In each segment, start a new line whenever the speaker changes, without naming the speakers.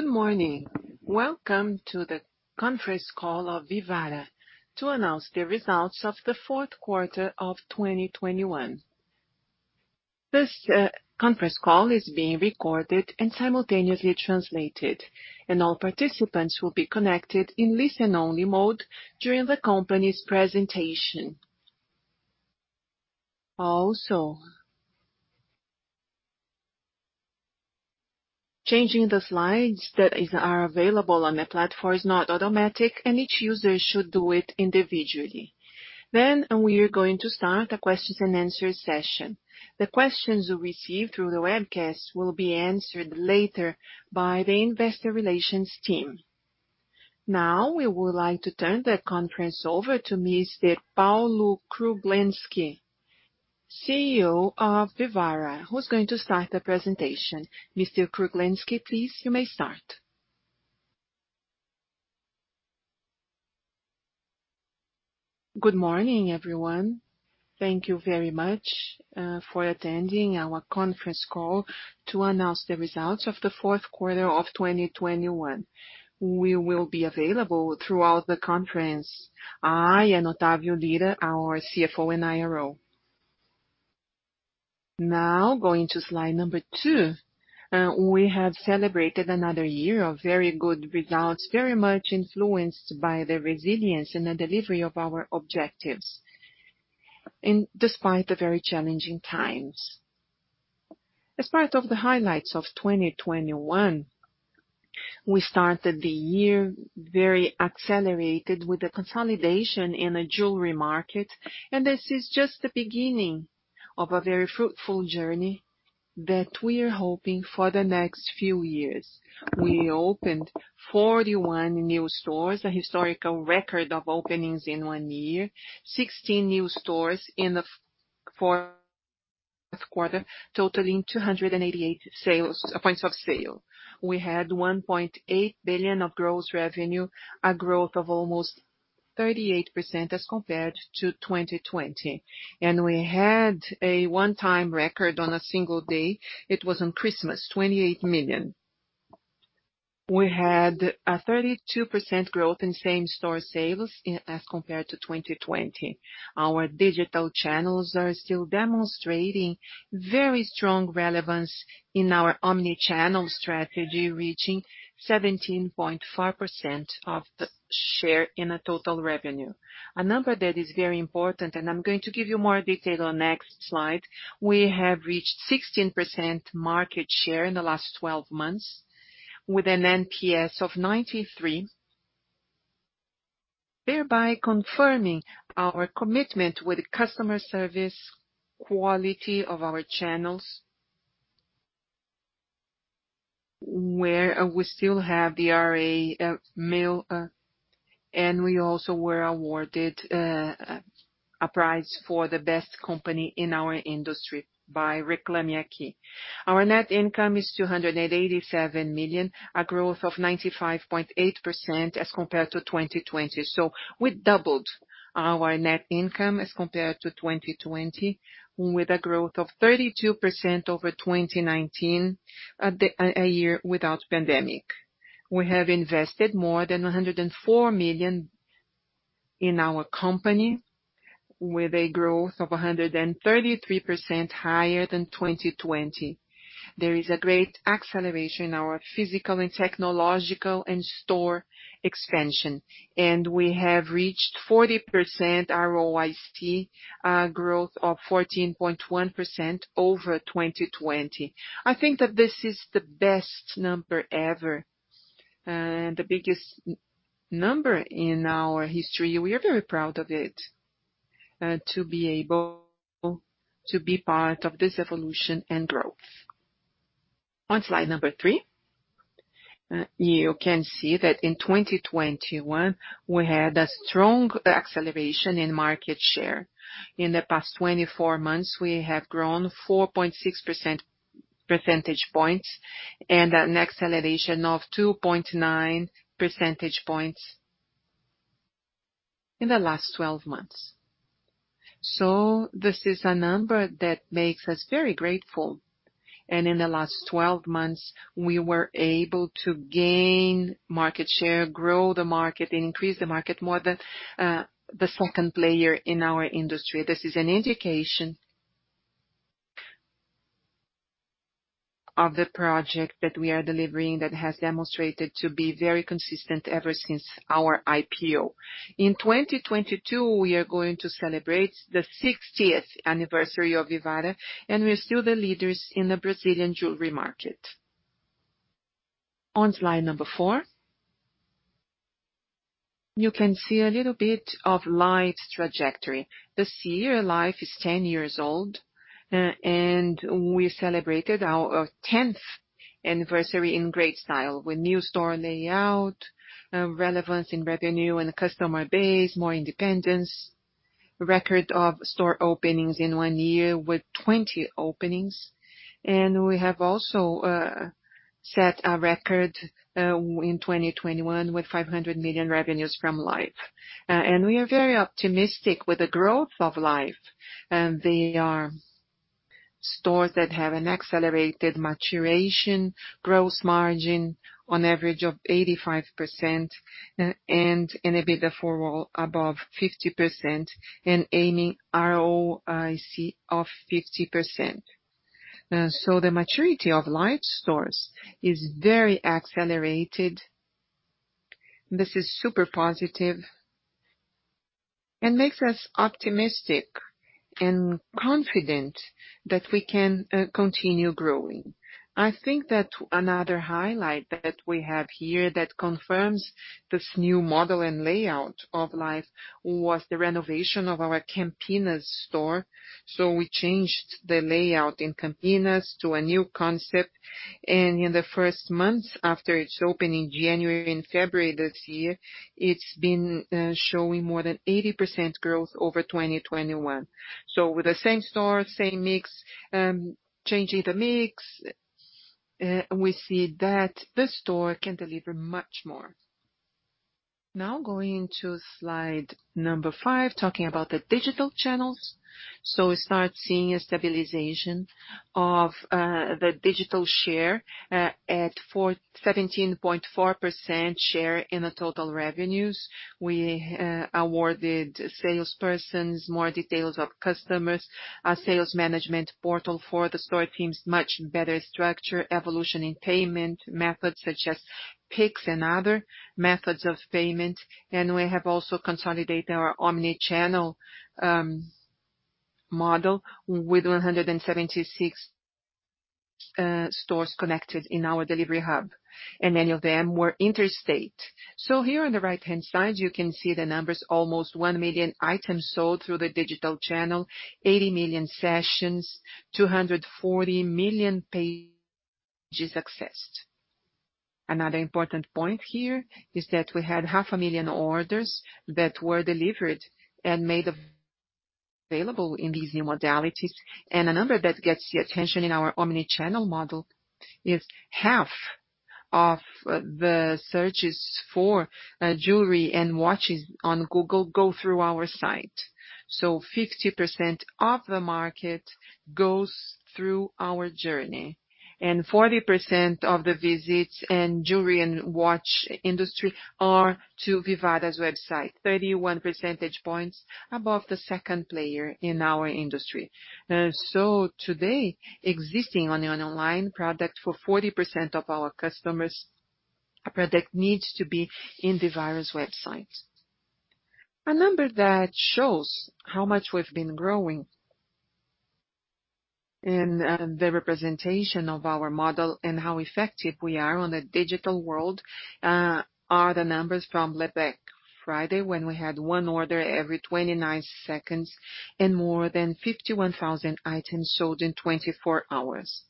Good morning. Welcome to the conference call of Vivara to announce the results of the 4th quarter of 2021. This conference call is being recorded and simultaneously translated, and all participants will be connected in listen-only mode during the company's presentation. Also, changing the slides that are available on the platform is not automatic, and each user should do it individually. We're going to start a questions and answer session. The questions we receive through the webcast will be answered later by the investor relations team. Now we would like to turn the conference over to Mr. Paulo Kruglensky, CEO of Vivara, who's going to start the presentation. Mr. Kruglensky, please, you may start.
Good morning, everyone. Thank you very much for attending our conference call to announce the results of the 4th quarter of 2021. We will be available throughout the conference, I and Otavio Lyra, our CFO and IRO. Now going to slide number 2. We have celebrated another year of very good results, very much influenced by the resilience and the delivery of our objectives despite the very challenging times. As part of the highlights of 2021, we started the year very accelerated with the consolidation in the jewelry market, and this is just the beginning of a very fruitful journey that we are hoping for the next few years. We opened 41 new stores, a historical record of openings in one year. 16 new stores in the fourth quarter, totaling 288 sales points of sale. We had 1.8 billion of gross revenue, a growth of almost 38% as compared to 2020. We had a one-time record on a single day. It was on Christmas, 28 million. We had a 32% growth in same-store sales in as compared to 2020. Our digital channels are still demonstrating very strong relevance in our omni-channel strategy, reaching 17.5% of the share in the total revenue. A number that is very important, and I'm going to give you more detail on next slide. We have reached 16% market share in the last twelve months with an NPS of 93, thereby confirming our commitment with customer service quality of our channels where we still have the RA, email, and we also were awarded a prize for the best company in our industry by Reclame Aqui. Our net income is 287 million, a growth of 95.8% as compared to 2020. We doubled our net income as compared to 2020 with a growth of 32% over 2019, a year without pandemic. We have invested more than 104 million in our company with a growth of 133% higher than 2020. There is a great acceleration in our physical and technological and store expansion, and we have reached 40% ROIC, growth of 14.1% over 2020. I think that this is the best number ever, the biggest number in our history. We are very proud of it, to be able to be part of this evolution and growth. On slide number 3, you can see that in 2021 we had a strong acceleration in market share. In the past 24 months, we have grown 4.6 percentage points and an acceleration of 2.9 percentage points in the last 12 months. This is a number that makes us very grateful. In the last 12 months, we were able to gain market share, grow the market, increase the market more than the second player in our industry. This is an indication of the project that we are delivering that has demonstrated to be very consistent ever since our IPO. In 2022, we are going to celebrate the 60th anniversary of Vivara, and we're still the leaders in the Brazilian jewelry market. On slide number 4, you can see a little bit of Life's trajectory. This year, Life is 10 years old, and we celebrated our tenth anniversary in great style with new store layout, relevance in revenue and customer base, more independence, record of store openings in one year with 20 openings. We have also set a record in 2021 with 500 million revenues from Life. We are very optimistic with the growth of Life. They are stores that have an accelerated maturation gross margin on average of 85% and EBITDA for above 50% and aiming ROIC of 50%. The maturity of Life stores is very accelerated. This is super positive and makes us optimistic and confident that we can continue growing. I think that another highlight that we have here that confirms this new model and layout of Life was the renovation of our Campinas store. We changed the layout in Campinas to a new concept. In the first months after its opening, January and February this year, it's been showing more than 80% growth over 2021. With the same store, same mix, changing the mix, we see that the store can deliver much more. Now going to slide number 5, talking about the digital channels. We start seeing a stabilization of the digital share at 17.4% share in the total revenues. We awarded salespersons more details of customers, a sales management portal for the store teams much better structure, evolution in payment methods such as Pix and other methods of payment. We have also consolidated our omni-channel model with 176 stores connected in our delivery hub. Many of them were interstate. Here on the right-hand side, you can see the numbers, almost 1 million items sold through the digital channel, 80 million sessions, 240 million pages accessed. Another important point here is that we had half a million orders that were delivered and made available in these new modalities. A number that gets the attention in our omni-channel model is half of the searches for jewelry and watches on Google go through our site. 50% of the market goes through our journey. 40% of the visits in jewelry and watch industry are to Vivara's website. 31 percentage points above the second player in our industry. Today, existing on an online product for 40% of our customers, a product needs to be in Vivara's website. A number that shows how much we've been growing and the representation of our model and how effective we are on the digital world are the numbers from Black Friday, when we had one order every 29 seconds and more than 51,000 items sold in 24 hours.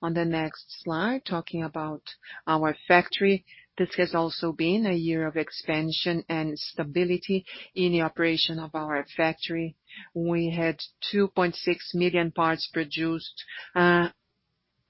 On the next slide, talking about our factory. This has also been a year of expansion and stability in the operation of our factory. We had 2.6 million parts produced,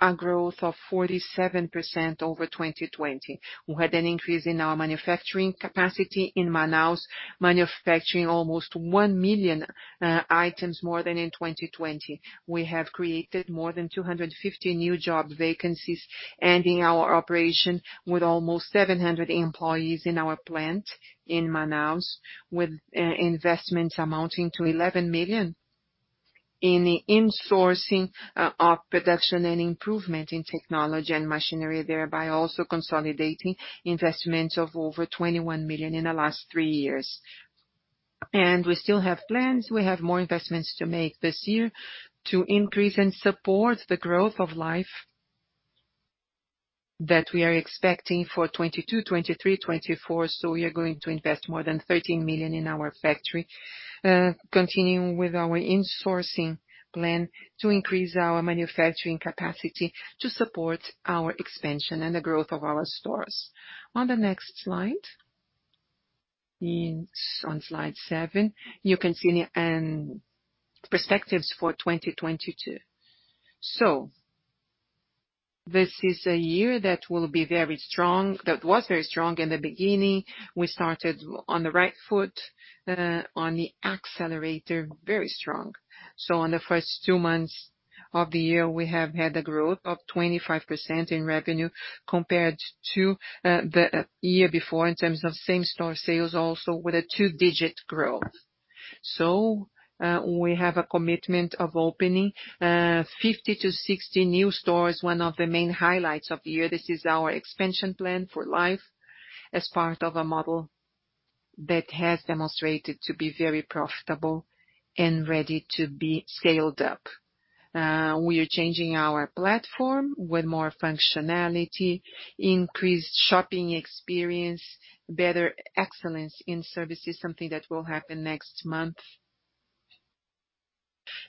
a growth of 47% over 2020. We had an increase in our manufacturing capacity in Manaus, manufacturing almost 1 million items more than in 2020. We have created more than 250 new job vacancies, ending our operation with almost 700 employees in our plant in Manaus with investments amounting to 11 million in insourcing of production and improvement in technology and machinery, thereby also consolidating investments of over 21 million in the last three years. We still have plans. We have more investments to make this year to increase and support the growth of Life that we are expecting for 2022, 2023, 2024. We are going to invest more than 13 million in our factory, continuing with our insourcing plan to increase our manufacturing capacity to support our expansion and the growth of our stores. On the next slide, on slide 7, you can see the perspectives for 2022. This is a year that will be very strong, that was very strong in the beginning. We started on the right foot, on the accelerator, very strong. On the first two months of the year, we have had a growth of 25% in revenue compared to the year before in terms of same-store sales, also with a two-digit growth. We have a commitment of opening 50-60 new stores, one of the main highlights of the year. This is our expansion plan for Life as part of a model that has demonstrated to be very profitable and ready to be scaled up. We are changing our platform with more functionality, increased shopping experience, better excellence in services, something that will happen next month.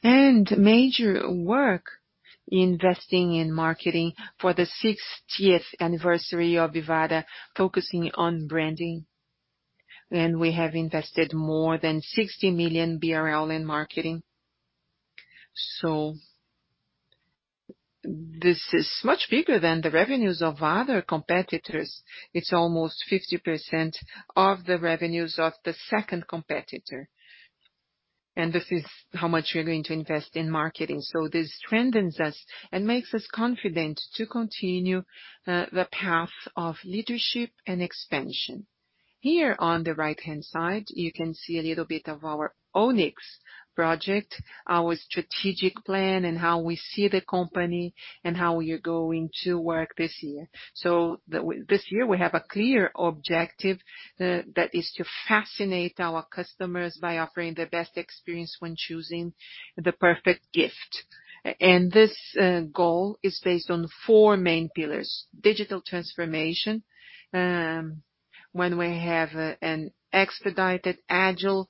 Major work investing in marketing for the 60th anniversary of Vivara, focusing on branding. We have invested more than 60 million BRL in marketing. This is much bigger than the revenues of other competitors. It's almost 50% of the revenues of the 2nd competitor. This is how much we are going to invest in marketing. This strengthens us and makes us confident to continue the path of leadership and expansion. Here on the right-hand side, you can see a little bit of our Onyx Project, our strategic plan, and how we see the company, and how we are going to work this year. This year, we have a clear objective that is to fascinate our customers by offering the best experience when choosing the perfect gift. And this goal is based on four main pillars, digital transformation, when we have an expedited agile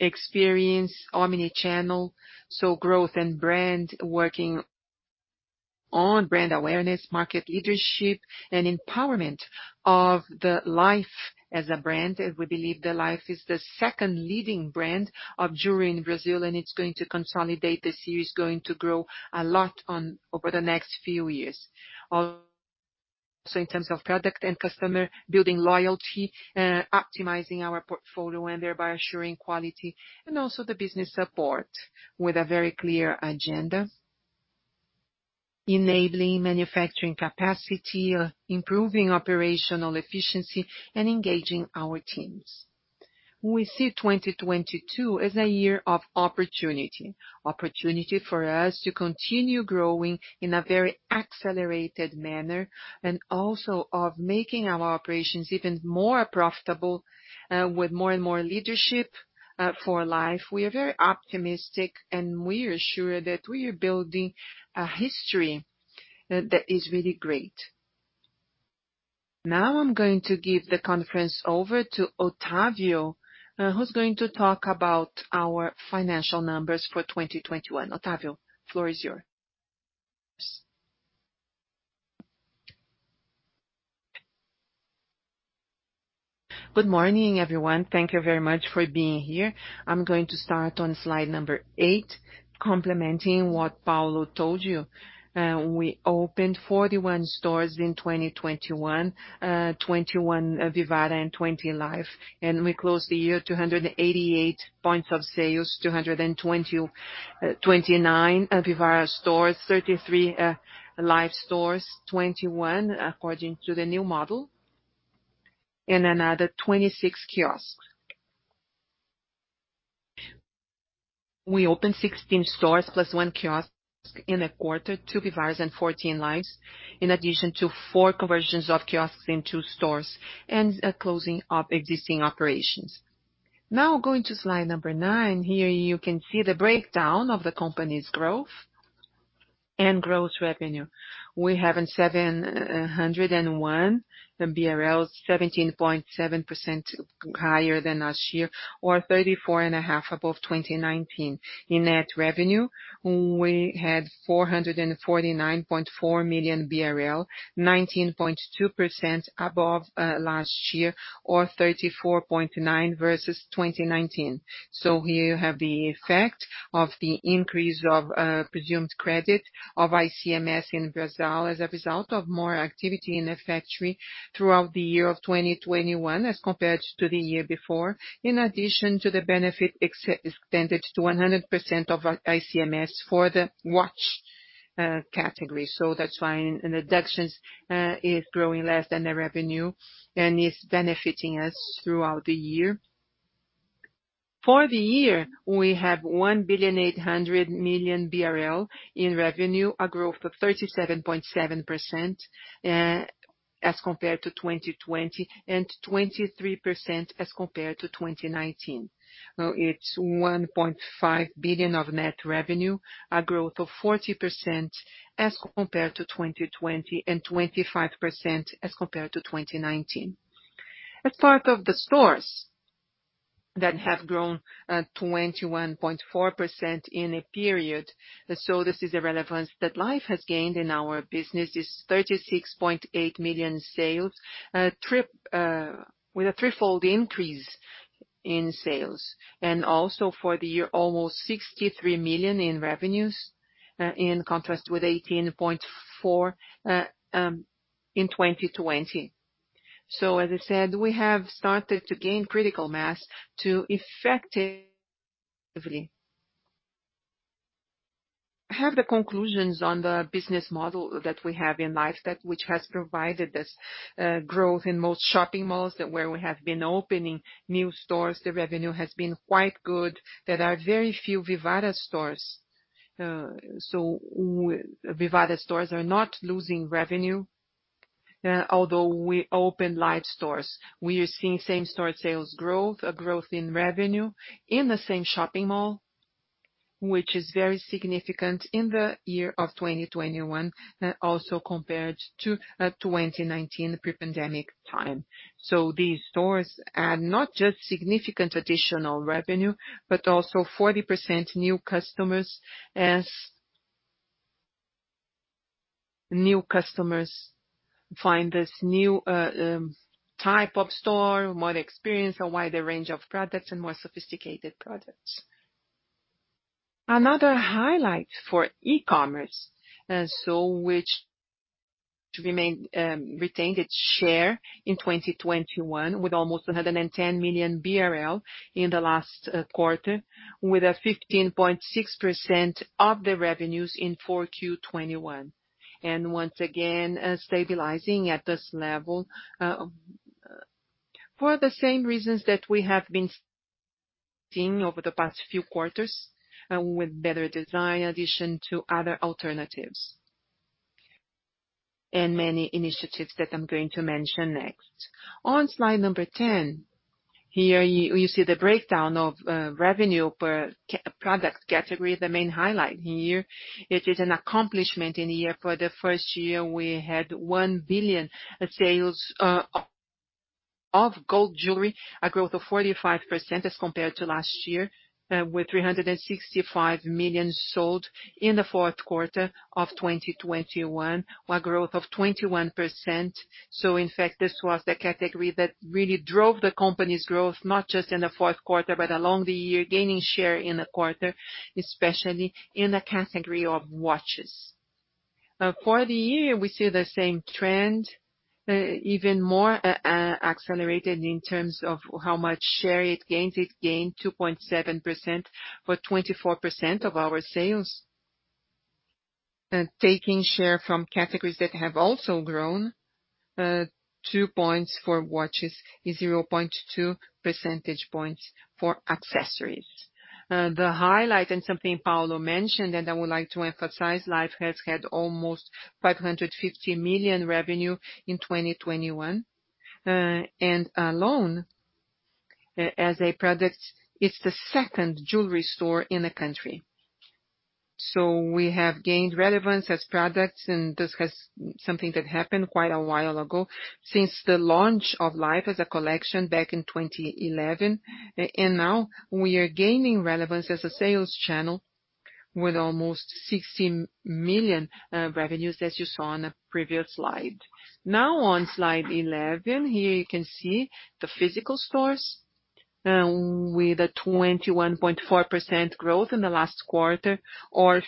experience, omni-channel. Growth and brand working on brand awareness, market leadership, and empowerment of the Life as a brand. We believe the Life is the second leading brand of jewelry in Brazil, and it's going to consolidate this year. It's going to grow a lot over the next few years. Also in terms of product and customer, building loyalty, optimizing our portfolio, and thereby assuring quality, and also the business support with a very clear agenda, enabling manufacturing capacity, improving operational efficiency, and engaging our teams. We see 2022 as a year of opportunity for us to continue growing in a very accelerated manner, and also of making our operations even more profitable, with more and more leadership for Life. We are very optimistic, and we are sure that we are building a history that is really great. Now I'm going to give the conference over to Otavio, who's going to talk about our financial numbers for 2021. Otavio, floor is yours.
Good morning, everyone. Thank you very much for being here. I'm going to start on slide number 8, complementing what Paulo told you. We opened 41 stores in 2021, 21 Vivara and 20 Life. We closed the year at 288 points of sales, 229 Vivara stores, 33 Life stores, 21 according to the new model, and another 26 kiosks. We opened 16 stores + 1 kiosk in a quarter, 2 Vivara and 14 Life, in addition to four conversions of kiosks into two stores and closing up existing operations. Now going to slide number 9, here you can see the breakdown of the company's growth and gross revenue. We have BRL 701, 17.7% higher than last year or 34.5% above 2019. In net revenue, we had 449.4 million BRL, 19.2% above last year or 34.9% versus 2019. Here you have the effect of the increase of presumed credit of ICMS in Brazil as a result of more activity in the factory throughout the year of 2021 as compared to the year before, in addition to the benefit extended to 100% of ICMS for the watch category. That's why in deductions is growing less than the revenue and is benefiting us throughout the year. For the year, we have 1.8 billion in revenue, a growth of 37.7% as compared to 2020 and 23% as compared to 2019. Now it's 1.5 billion of net revenue, a growth of 40% as compared to 2020 and 25% as compared to 2019. As part of the stores that have grown, 21.4% in a period. This is the relevance that Life has gained in our business is 36.8 million sales with a threefold increase in sales. Also for the year, almost 63 million in revenues in contrast with 18.4 million in 2020. As I said, we have started to gain critical mass to effectively... I have the conclusions on the business model that we have in Life which has provided us growth in most shopping malls where we have been opening new stores, the revenue has been quite good. There are very few Vivara stores. Vivara stores are not losing revenue. Although we opened Life stores. We are seeing same-store sales growth, a growth in revenue in the same shopping mall, which is very significant in the year of 2021, also compared to 2019 pre-pandemic time. These stores add not just significant additional revenue, but also 40% new customers as new customers find this new type of store, more experience, a wider range of products and more sophisticated products. Another highlight for e-commerce, retained its share in 2021 with almost 110 million BRL in the last quarter, with 15.6% of the revenues in 4Q 2021. Once again, stabilizing at this level for the same reasons that we have been seeing over the past few quarters, with better design addition to other alternatives. Many initiatives that I'm going to mention next. On slide number 10, here you see the breakdown of revenue per product category, the main highlight here. It is an accomplishment in the year. For the first year, we had 1 billion sales of gold jewelry, a growth of 45% as compared to last year, with 365 million sold in the fourth quarter of 2021, a growth of 21%. In fact, this was the category that really drove the company's growth, not just in the fourth quarter, but along the year, gaining share in the quarter, especially in the category of watches. For the year, we see the same trend, even more accelerated in terms of how much share it gained. It gained 2.7% to 24% of our sales. Taking share from categories that have also grown, 2 points for watches, 0.2 percentage points for accessories. The highlight and something Paulo mentioned, and I would like to emphasize, Life has had almost 550 million revenue in 2021. Alone, as a product, it's the 2nd jewelry store in the country. We have gained relevance as products, and this is something that happened quite a while ago since the launch of Life as a collection back in 2011. And now we are gaining relevance as a sales channel with almost 60 million revenues, as you saw on a previous slide. Now on slide 11, here you can see the physical stores with a 21.4% growth in the last quarter or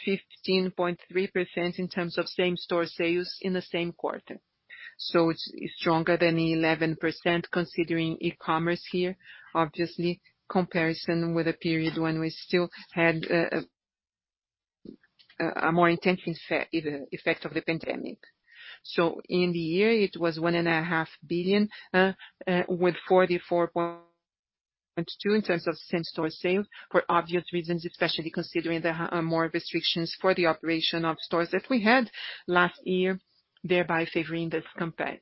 15.3% in terms of same store sales in the same quarter. It's stronger than 11% considering e-commerce here, obviously, comparison with a period when we still had a more intense effect of the pandemic. In the year, it was 1.5 billion, 44.2% in terms of same-store sales for obvious reasons, especially considering there are more restrictions for the operation of stores that we had last year, thereby favoring this comparison.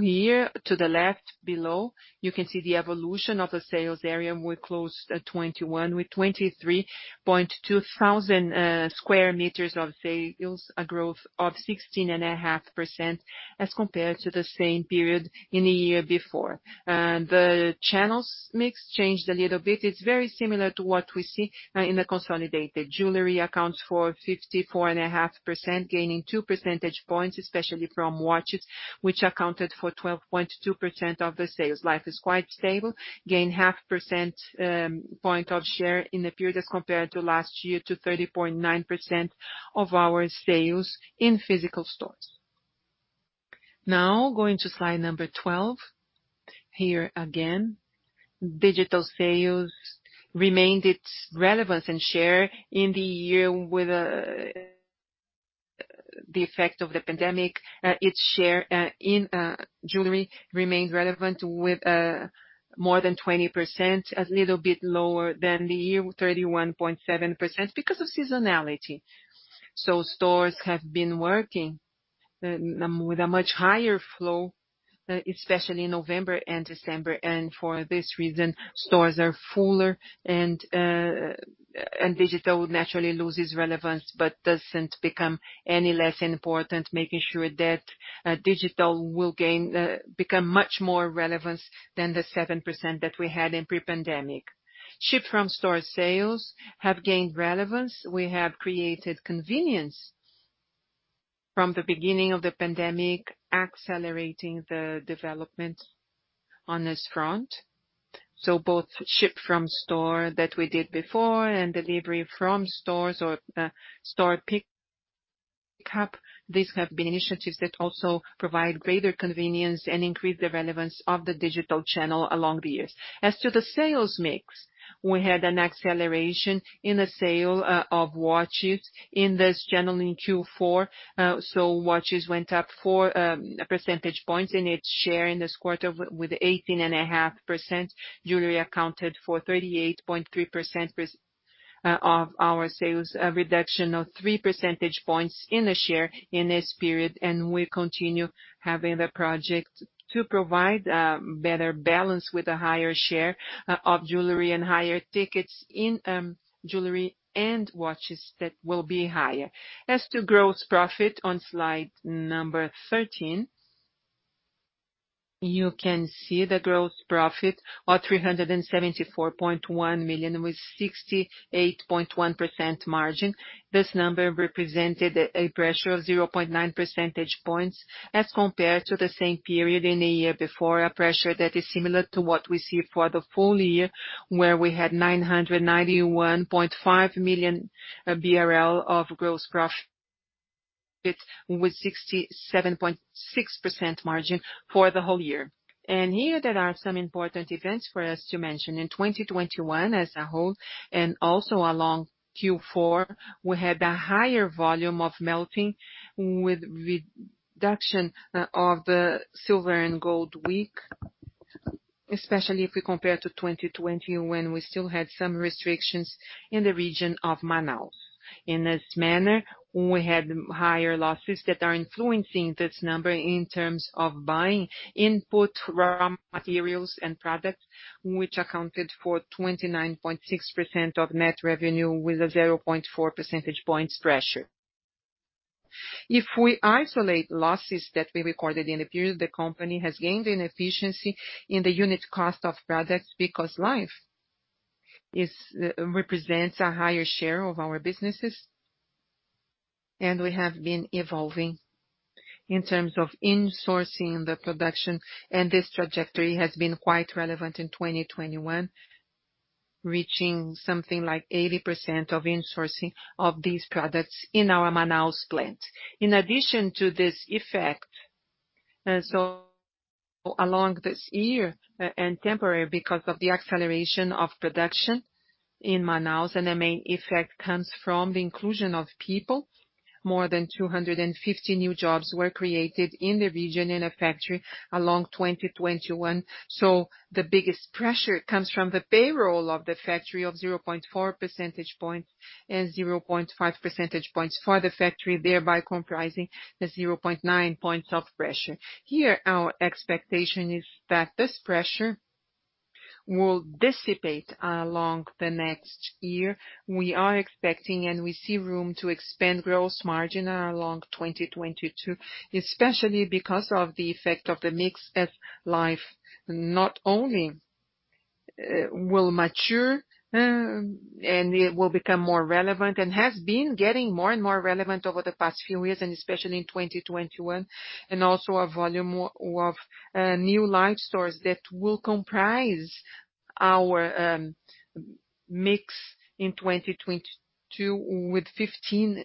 Here to the left below, you can see the evolution of the sales area. We closed 2021 with 23,200 sq m of sales, a growth of 16.5% as compared to the same period in the year before. The channels mix changed a little bit. It's very similar to what we see in the consolidated. Jewelry accounts for 54.5%, gaining two percentage points, especially from watches, which accounted for 12.2% of the sales. Life is quite stable, gained 0.5 percentage point of share in the period as compared to last year to 30.9% of our sales in physical stores. Now going to slide 12. Here again, digital sales retained its relevance and share in the year with the effect of the pandemic. Its share in jewelry remained relevant with more than 20%, a little bit lower than the year, 31.7% because of seasonality. Stores have been working with a much higher flow, especially in November and December. For this reason, stores are fuller and digital naturally loses relevance, but doesn't become any less important, making sure that digital will become much more relevant than the 7% that we had in pre-pandemic. Ship from store sales have gained relevance. We have created convenience from the beginning of the pandemic, accelerating the development on this front. Both ship from store that we did before and delivery from stores or store pick up have been initiatives that also provide greater convenience and increase the relevance of the digital channel along the years. As to the sales mix, we had an acceleration in the sale of watches in this channel in Q4. Watches went up 4 percentage points in its share in this quarter with 18.5%. Jewelry accounted for 38.3% of our sales, a reduction of 3 percentage points in the share in this period. We continue having the project to provide better balance with a higher share of jewelry and higher tickets in jewelry and watches that will be higher. As to gross profit on slide number 13. You can see the gross profit of 374.1 million with 68.1% margin. This number represented a pressure of 0.9 percentage points as compared to the same period in the year before, a pressure that is similar to what we see for the full year, where we had 991.5 million BRL of gross profit with 67.6% margin for the whole year. Here, there are some important events for us to mention. In 2021 as a whole, and also along Q4, we had a higher volume of melting with reduction of the silver and gold weight, especially if we compare to 2020 when we still had some restrictions in the region of Manaus. In this manner, we had higher losses that are influencing this number in terms of buying input raw materials and products, which accounted for 29.6% of net revenue with a 0.4 percentage points pressure. If we isolate losses that we recorded in the period, the company has gained in efficiency in the unit cost of products because Life represents a higher share of our businesses, and we have been evolving in terms of insourcing the production, and this trajectory has been quite relevant in 2021, reaching something like 80% of insourcing of these products in our Manaus plant. In addition to this effect, so along this year and temporary, because of the acceleration of production in Manaus, and the main effect comes from the inclusion of people. More than 250 new jobs were created in the region in a factory along 2021. The biggest pressure comes from the payroll of the factory of 0.4 percentage points and 0.5 percentage points for the factory, thereby comprising the 0.9 points of pressure. Here, our expectation is that this pressure will dissipate along the next year. We are expecting, and we see room to expand gross margin along 2022, especially because of the effect of the mix as Life not only will mature and it will become more relevant and has been getting more and more relevant over the past few years and especially in 2021. Also a volume of new Life stores that will comprise our mix in 2022 with 15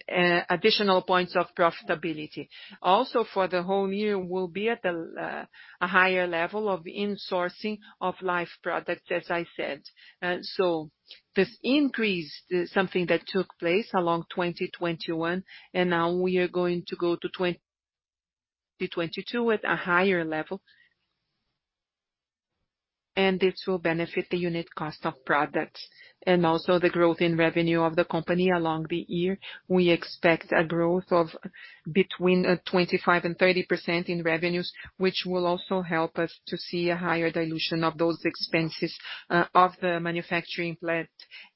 additional points of profitability. Also for the whole year, we'll be at a higher level of insourcing of Life products, as I said. This increase is something that took place along 2021, and now we are going to go to 2022 with a higher level and this will benefit the unit cost of products and also the growth in revenue of the company along the year. We expect a growth of between 25% and 30% in revenues, which will also help us to see a higher dilution of those expenses of the manufacturing plant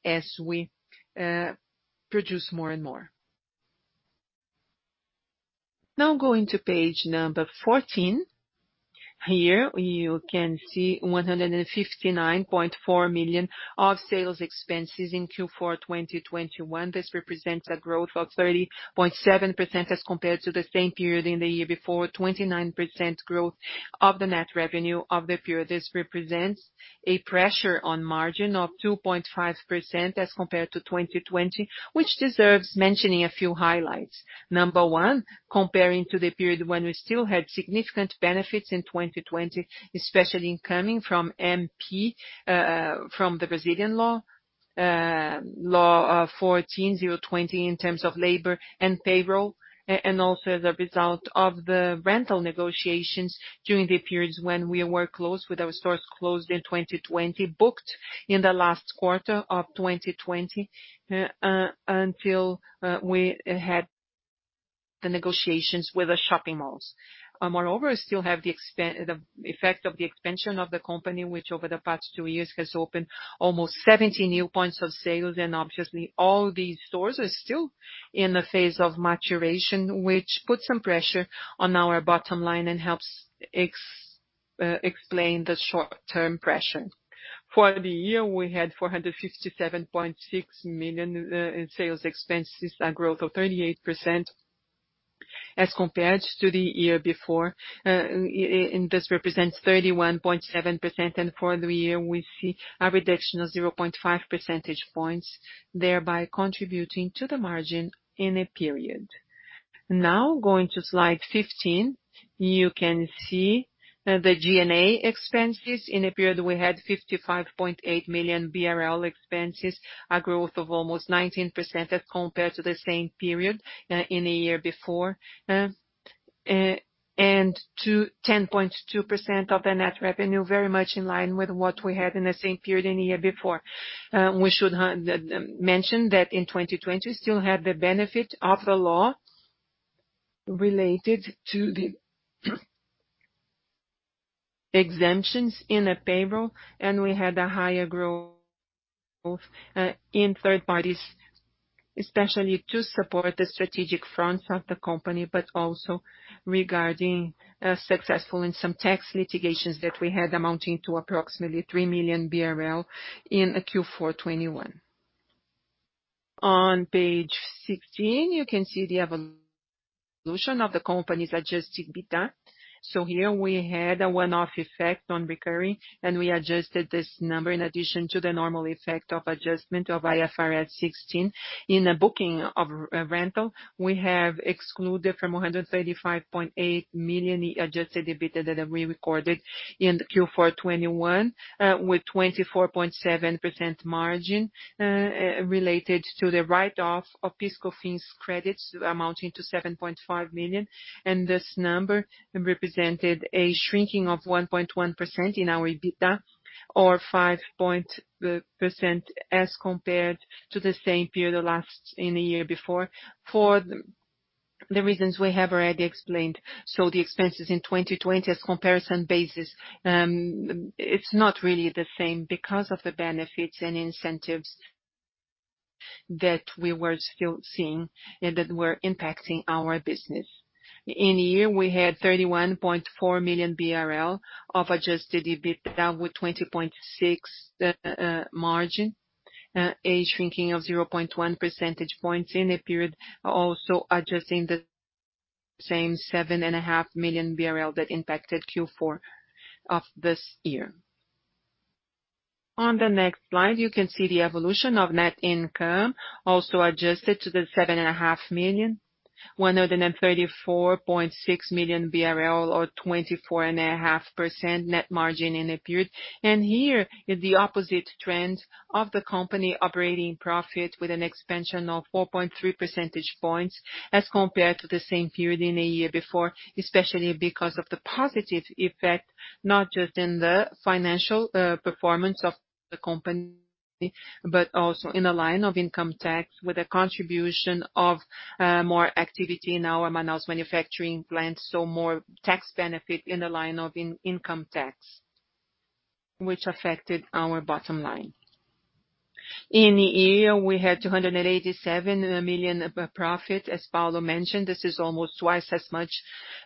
as we produce more and more. Now going to page 14. Here you can see 159.4 million of sales expenses in Q4 2021. This represents a growth of 30.7% as compared to the same period in the year before 29% growth of the net revenue of the period. This represents a pressure on margin of 2.5% as compared to 2020, which deserves mentioning a few highlights. Number one, comparing to the period when we still had significant benefits in 2020, especially coming from MP from the Brazilian law 14.020 in terms of labor and payroll. Also the result of the rental negotiations during the periods when we were closed, with our stores closed in 2020, booked in the last quarter of 2020 until we had the negotiations with the shopping malls. Moreover, we still have the effect of the expansion of the company, which over the past two years has opened almost 70 new points of sale. Obviously all these stores are still in the phase of maturation, which puts some pressure on our bottom line and helps explain the short-term pressure. For the year, we had 457.6 million in sales expenses, a growth of 38% as compared to the year before. This represents 31.7%. For the year we see a reduction of 0.5 percentage points, thereby contributing to the margin in the period. Now going to slide 15. You can see the G&A expenses. In the period, we had 55.8 million BRL expenses, a growth of almost 19% as compared to the same period in the year before. To 10.2% of the net revenue, very much in line with what we had in the same period in the year before. We should mention that in 2020, we still had the benefit of the law related to the exemptions in the payroll, and we had a higher growth in third parties, especially to support the strategic fronts of the company, but also regarding successful in some tax litigations that we had amounting to approximately 3 million BRL in Q4 2021. On page 16, you can see the evolution of the company's adjusted EBITDA. Here we had a one-off effect on recurring, and we adjusted this number in addition to the normal effect of adjustment of IFRS 16. In a booking of rental, we have excluded from 135.8 million adjusted EBITDA that we recorded in Q4 2021, with 24.7% margin, related to the write-off of PIS/Cofins credits amounting to 7.5 million. This number represented a shrinking of 1.1% in our EBITDA, or 5% as compared to the same period in the year before, for the reasons we have already explained. The expenses in 2020 as comparison basis, it's not really the same because of the benefits and incentives that we were still seeing and that were impacting our business. In the year, we had 31.4 million BRL of adjusted EBITDA with 20.6% margin, a shrinking of 0.1 percentage points in the period, also adjusting the same 7.5 million BRL that impacted Q4 of this year. On the next slide, you can see the evolution of net income, also adjusted to the 7.5 million, 134.6 million BRL, or 24.5% net margin in the period. Here is the opposite trend of the company operating profit with an expansion of 4.3 percentage points as compared to the same period in the year before. Especially because of the positive effect, not just in the financial performance of the company, but also in the line of income tax, with a contribution of more activity in our Manaus manufacturing plant, so more tax benefit in the line of income tax, which affected our bottom line. In the year, we had 287 million of profit. As Paulo mentioned, this is almost twice as much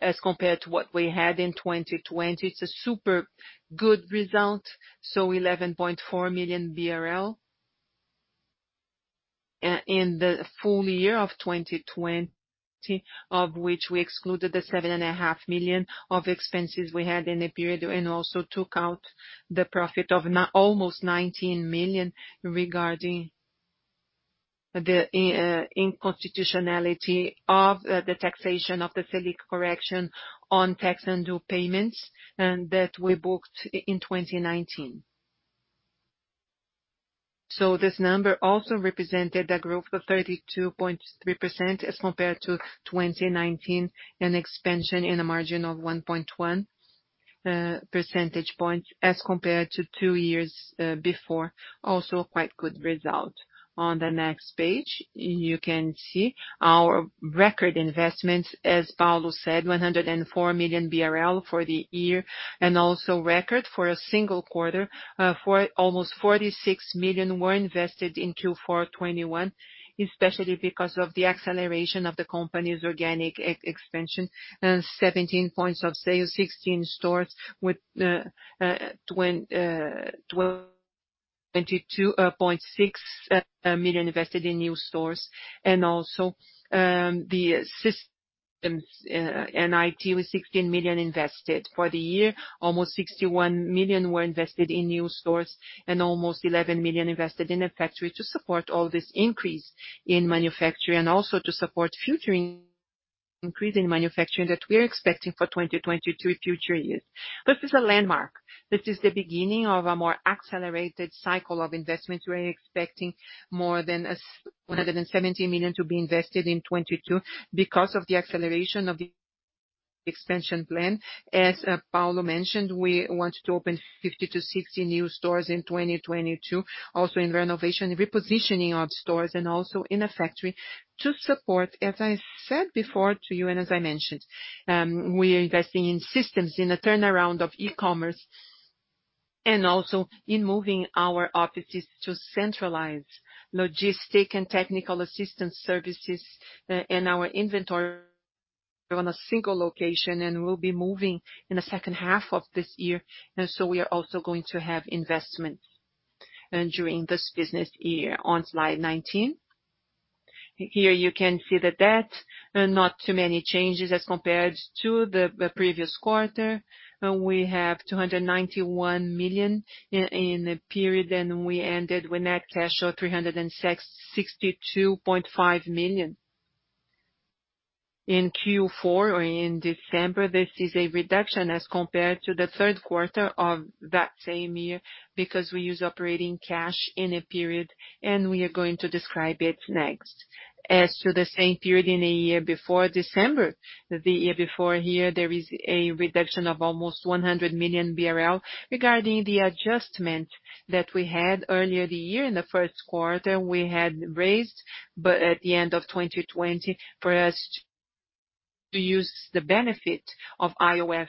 as compared to what we had in 2020. It's a super good result. Eleven point 4 million BRL. In the full year of 2020, of which we excluded the 7.5 million of expenses we had in the period and also took out the profit of nearly 19 million regarding the unconstitutionality of the taxation of the Selic correction on tax and due payments, and that we booked in 2019. This number also represented a growth of 32.3% as compared to 2019, an expansion in the margin of 1.1 percentage point as compared to two years before. Also quite good result. On the next page, you can see our record investments. As Paulo said, 104 million BRL for the year, and also record for a single quarter. Almost 46 million were invested in Q4 2021, especially because of the acceleration of the company's organic e-expansion and 17 points of sale, 16 stores with 22.6 million invested in new stores. Also, the systems, IT was 16 million invested. For the year, almost 61 million were invested in new stores and almost 11 million invested in a factory to support all this increase in manufacturing and also to support future increase in manufacturing that we're expecting for 2020 to future years. This is a landmark. This is the beginning of a more accelerated cycle of investments. We're expecting more than 170 million to be invested in 2022 because of the acceleration of the expansion plan. Paulo mentioned, we want to open 50-60 new stores in 2022, also in renovation, repositioning of stores, and also in a factory to support, as I said before to you and as I mentioned, we are investing in systems in a turnaround of e-commerce and also in moving our offices to centralize logistics and technical assistance services and our inventory on a single location. We'll be moving in the second half of this year, and we are also going to have investments during this business year. On slide 19, here you can see the debt. Not too many changes as compared to the previous quarter. We have 291 million in the period, and we ended with net cash of 362.5 million. In Q4 or in December, this is a reduction as compared to the third quarter of that same year, because we use operating cash in a period, and we are going to describe it next. As to the same period in the year before December, the year before here, there is a reduction of almost 100 million BRL regarding the adjustment that we had earlier the year. In the first quarter, we had raised, but at the end of 2020 for us to use the benefit of IOF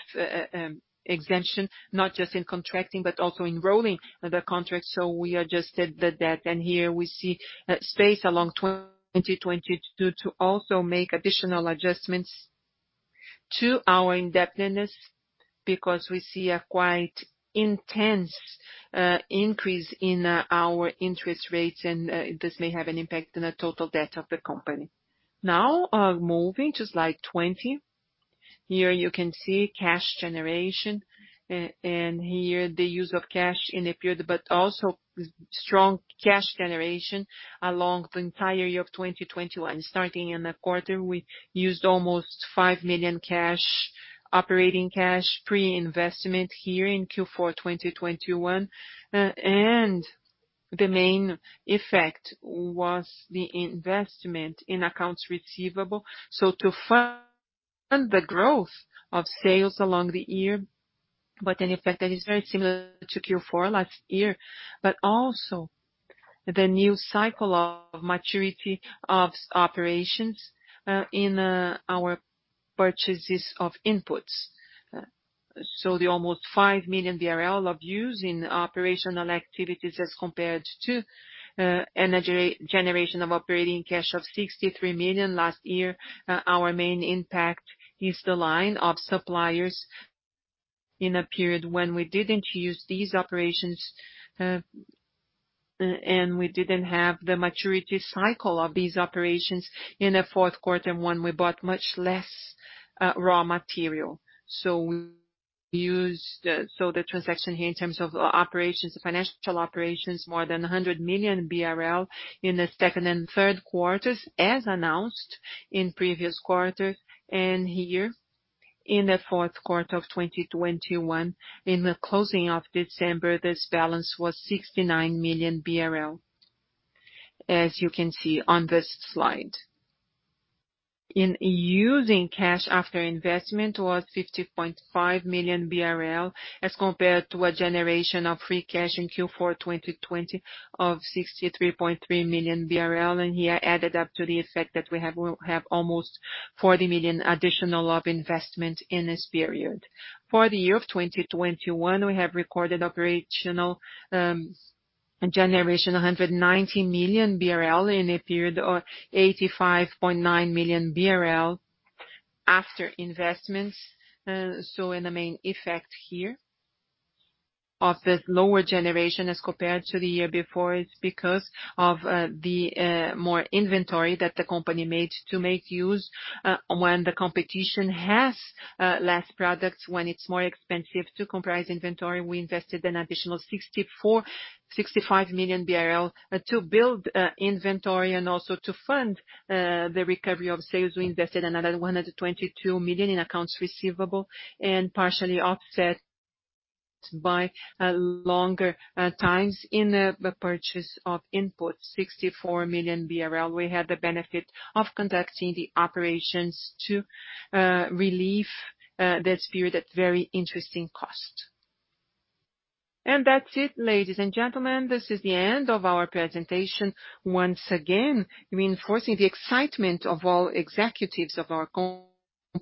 exemption, not just in contracting, but also in rolling the contract. We adjusted the debt. Here we see space along 2022 to also make additional adjustments to our indebtedness, because we see a quite intense increase in our interest rates, and this may have an impact on the total debt of the company. Now, moving to slide 20. Here you can see cash generation. Here the use of cash in a period, but also strong cash generation along the entire year of 2021. Starting in the quarter, we used almost 5 million cash, operating cash, pre-investment here in Q4 2021. The main effect was the investment in accounts receivable. To fund the growth of sales along the year with an effect that is very similar to Q4 last year, but also the new cycle of maturity of operations in our purchases of inputs. The almost 5 million BRL use in operational activities as compared to negative generation of operating cash of 63 million last year. Our main impact is the line of suppliers in a period when we didn't use these operations, and we didn't have the maturity cycle of these operations in the fourth quarter, and one we bought much less raw material. The transaction here in terms of operations, financial operations, more than 100 million BRL in the second and third quarters as announced in previous quarters. Here in the 4th quarter of 2021, in the closing of December, this balance was 69 million BRL, as you can see on this slide. Cash usage after investment was 50.5 million BRL, as compared to a generation of free cash in Q4 2020 of 63.3 million BRL. That added up to the effect that we have almost 40 million additional of investment in this period. For the year 2021, we have recorded operational generation 190 million BRL in a period or 85.9 million BRL after investments. The main effect here on this lower generation as compared to the year before is because of the more inventory that the company made to make use when the competition has less products, when it's more expensive to import inventory. We invested an additional 64-65 million BRL to build inventory and also to fund the recovery of sales. We invested another 122 million in accounts receivable and partially offset by longer times in the purchase of inputs, 64 million BRL. We had the benefit of conducting the operations to relieve this period at very interesting cost. That's it, ladies and gentlemen, this is the end of our presentation. Once again, reinforcing the excitement of all executives of our company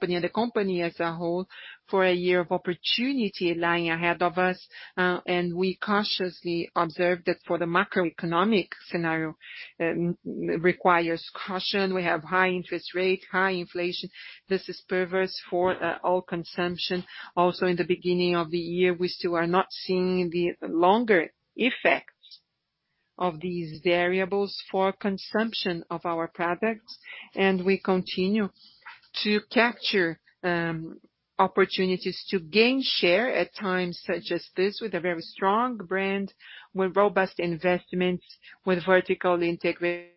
and the company as a whole for a year of opportunity lying ahead of us. We cautiously observe that the macroeconomic scenario requires caution. We have high interest rate, high inflation. This is perverse for all consumption. Also, in the beginning of the year, we still are not seeing the longer effects of these variables for consumption of our products. We continue to capture opportunities to gain share at times such as this with a very strong brand, with robust investments, with vertical integration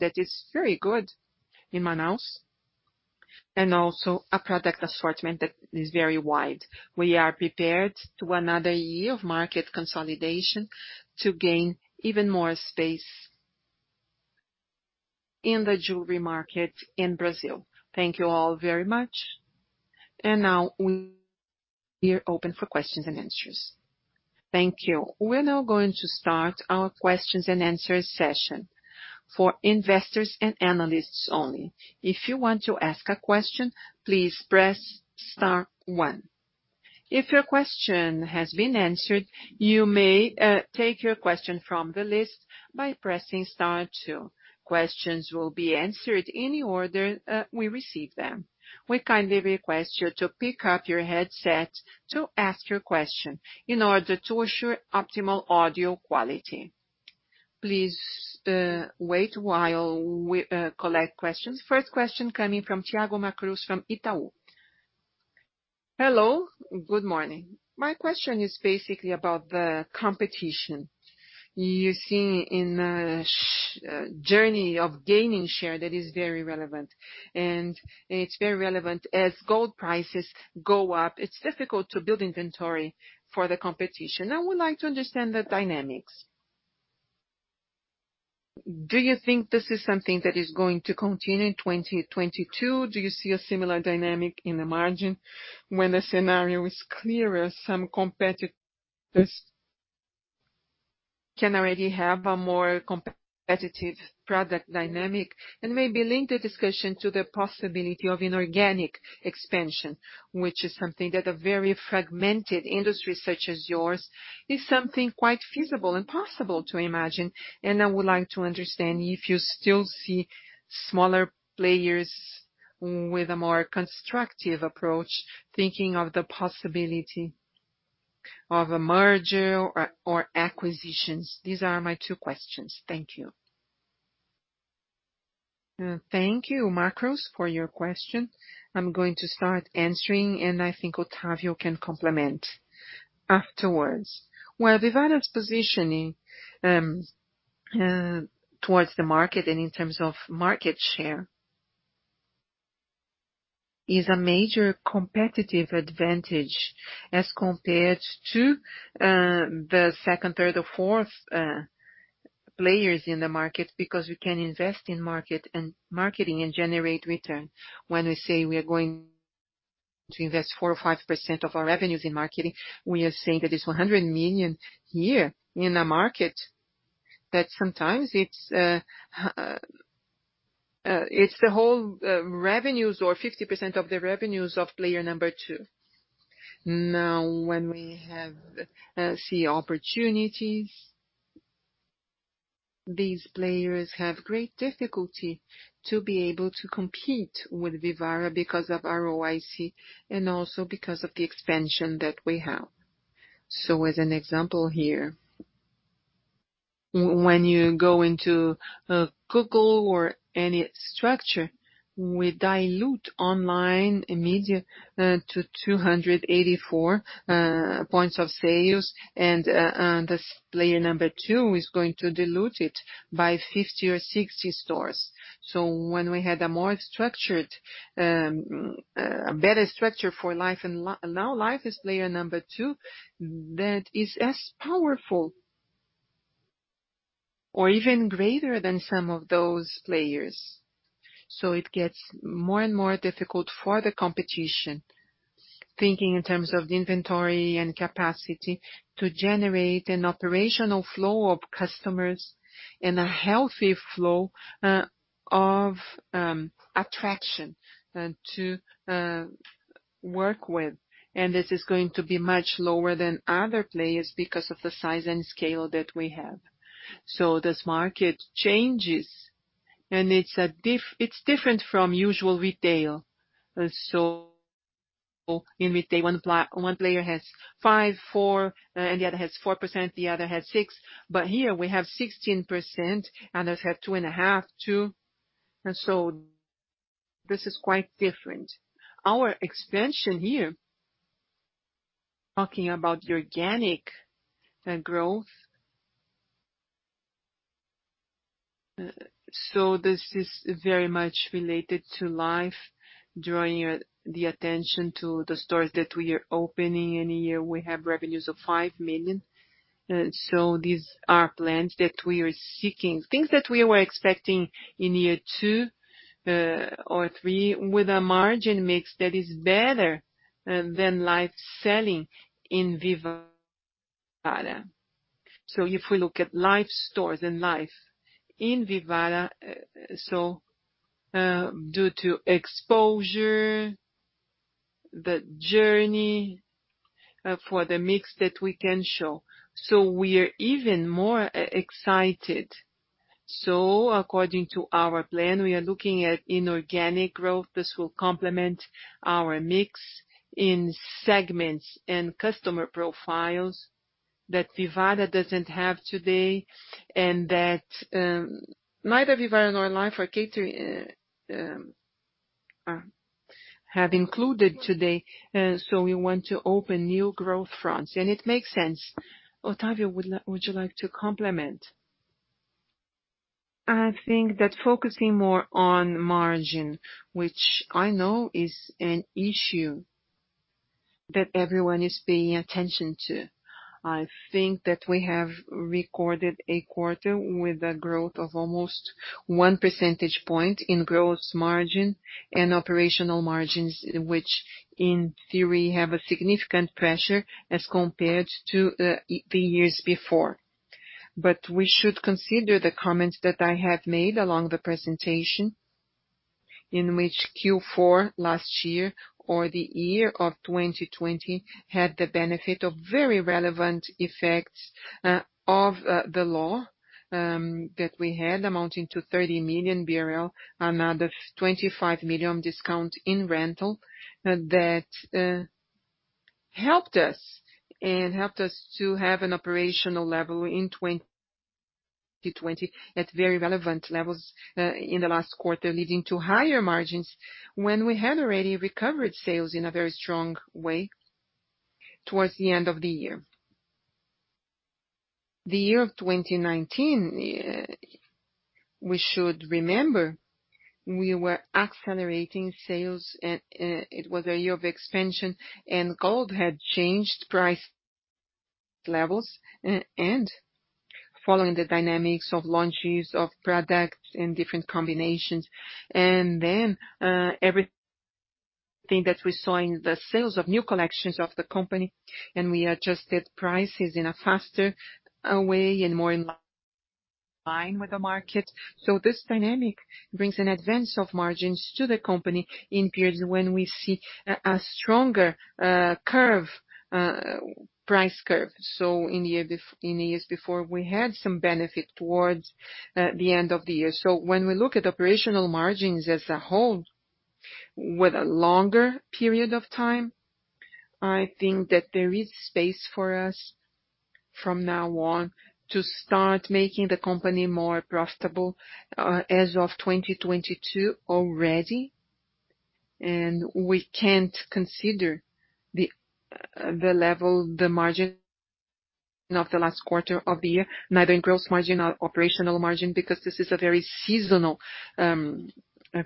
that is very good in Manaus, and also a product assortment that is very wide. We are prepared for another year of market consolidation to gain even more space in the jewelry market in Brazil. Thank you all very much. Now we're open for questions and answers.
Thank you. We're now going to start our questions and answers session for investors and analysts only. If you want to ask a question, please press star 1. If your question has been answered, you may take your question from the list by pressing star 2. Questions will be answered in any order that we receive them. We kindly request you to pick up your headset to ask your question, in order to ensure optimal audio quality. Please, wait while we collect questions. First question coming from Thiago Macruz from Itaú.
Hello, good morning. My question is basically about the competition you see in the journey of gaining share that is very relevant. As gold prices go up, it's difficult to build inventory for the competition. I would like to understand the dynamics. Do you think this is something that is going to continue in 2022? Do you see a similar dynamic in the margin when the scenario is clearer? Some competitors can already have a more competitive product dynamic and maybe link the discussion to the possibility of inorganic expansion, which, in a very fragmented industry such as yours, is quite feasible and possible to imagine. I would like to understand if you still see smaller players with a more constructive approach, thinking of the possibility of a merger or acquisitions. These are my 2 questions. Thank you.
Thank you, Macruz, for your question. I'm going to start answering, and I think Otavio Lyra can complement afterwards. Well, Vivara's positioning towards the market and in terms of market share is a major competitive advantage as compared to the second, third or 4th players in the market, because we can invest in marketing and generate return. When we say we are going to invest 4% or 5% of our revenues in marketing, we are saying that it's 100 million a year in a market that sometimes it's the whole revenues or 50% of the revenues of player number 2. Now, when we see opportunities, these players have great difficulty to be able to compete with Vivara because of ROIC and also because of the expansion that we have. As an example here, when you go into Google or any structure, we deliver online immediately to 284 points of sales, and this player number two is going to deliver it by 50 or 60 stores. When we had a more structured, a better structure for Life, now Life is player number two, that is as powerful or even greater than some of those players. It gets more and more difficult for the competition, thinking in terms of inventory and capacity to generate an operational flow of customers and a healthy flow of attraction to work with. This is going to be much lower than other players because of the size and scale that we have. This market changes, and it's different from usual retail. In retail, one player has 5, 4, and the other has 4%, the other has 6. Here we have 16%, others have 2.5, 2. This is quite different. Our expansion here, talking about the organic growth. This is very much related to Life, drawing the attention to the stores that we are opening. In a year, we have revenues of 5 million. These are plans that we are seeking. Things that we were expecting in year 2 or 3, with a margin mix that is better than Life selling in Vivara. If we look at Life stores and Life in Vivara, due to exposure, the journey, for the mix that we can show. We are even more excited. According to our plan, we are looking at inorganic growth. This will complement our mix in segments and customer profiles that Vivara doesn't have today, and that neither Vivara nor Life have included today. We want to open new growth fronts, and it makes sense. Otavio, would you like to complement? I think that focusing more on margin, which I know is an issue that everyone is paying attention to. I think that we have recorded a quarter with a growth of almost one percentage point in gross margin and operational margins, which in theory have a significant pressure as compared to the years before.
We should consider the comments that I have made along the presentation, in which Q4 last year or the year of 2020 had the benefit of very relevant effects of the law that we had, amounting to 30 million BRL, amount of 25 million discount in rental. That helped us and helped us to have an operational level in 2020 at very relevant levels in the last quarter, leading to higher margins when we had already recovered sales in a very strong way towards the end of the year. The year of 2019, we should remember, we were accelerating sales. It was a year of expansion, and gold had changed price levels and following the dynamics of launches of products and different combinations. Everything that we saw in the sales of new collections of the company, and we adjusted prices in a faster way and more in line with the market. This dynamic brings an advance of margins to the company in periods when we see a stronger price curve. In years before, we had some benefit towards the end of the year. When we look at operational margins as a whole, with a longer period of time, I think that there is space for us from now on to start making the company more profitable as of 2022 already. We can't consider the level, the margin of the last quarter of the year, neither in gross margin or operational margin, because this is a very seasonal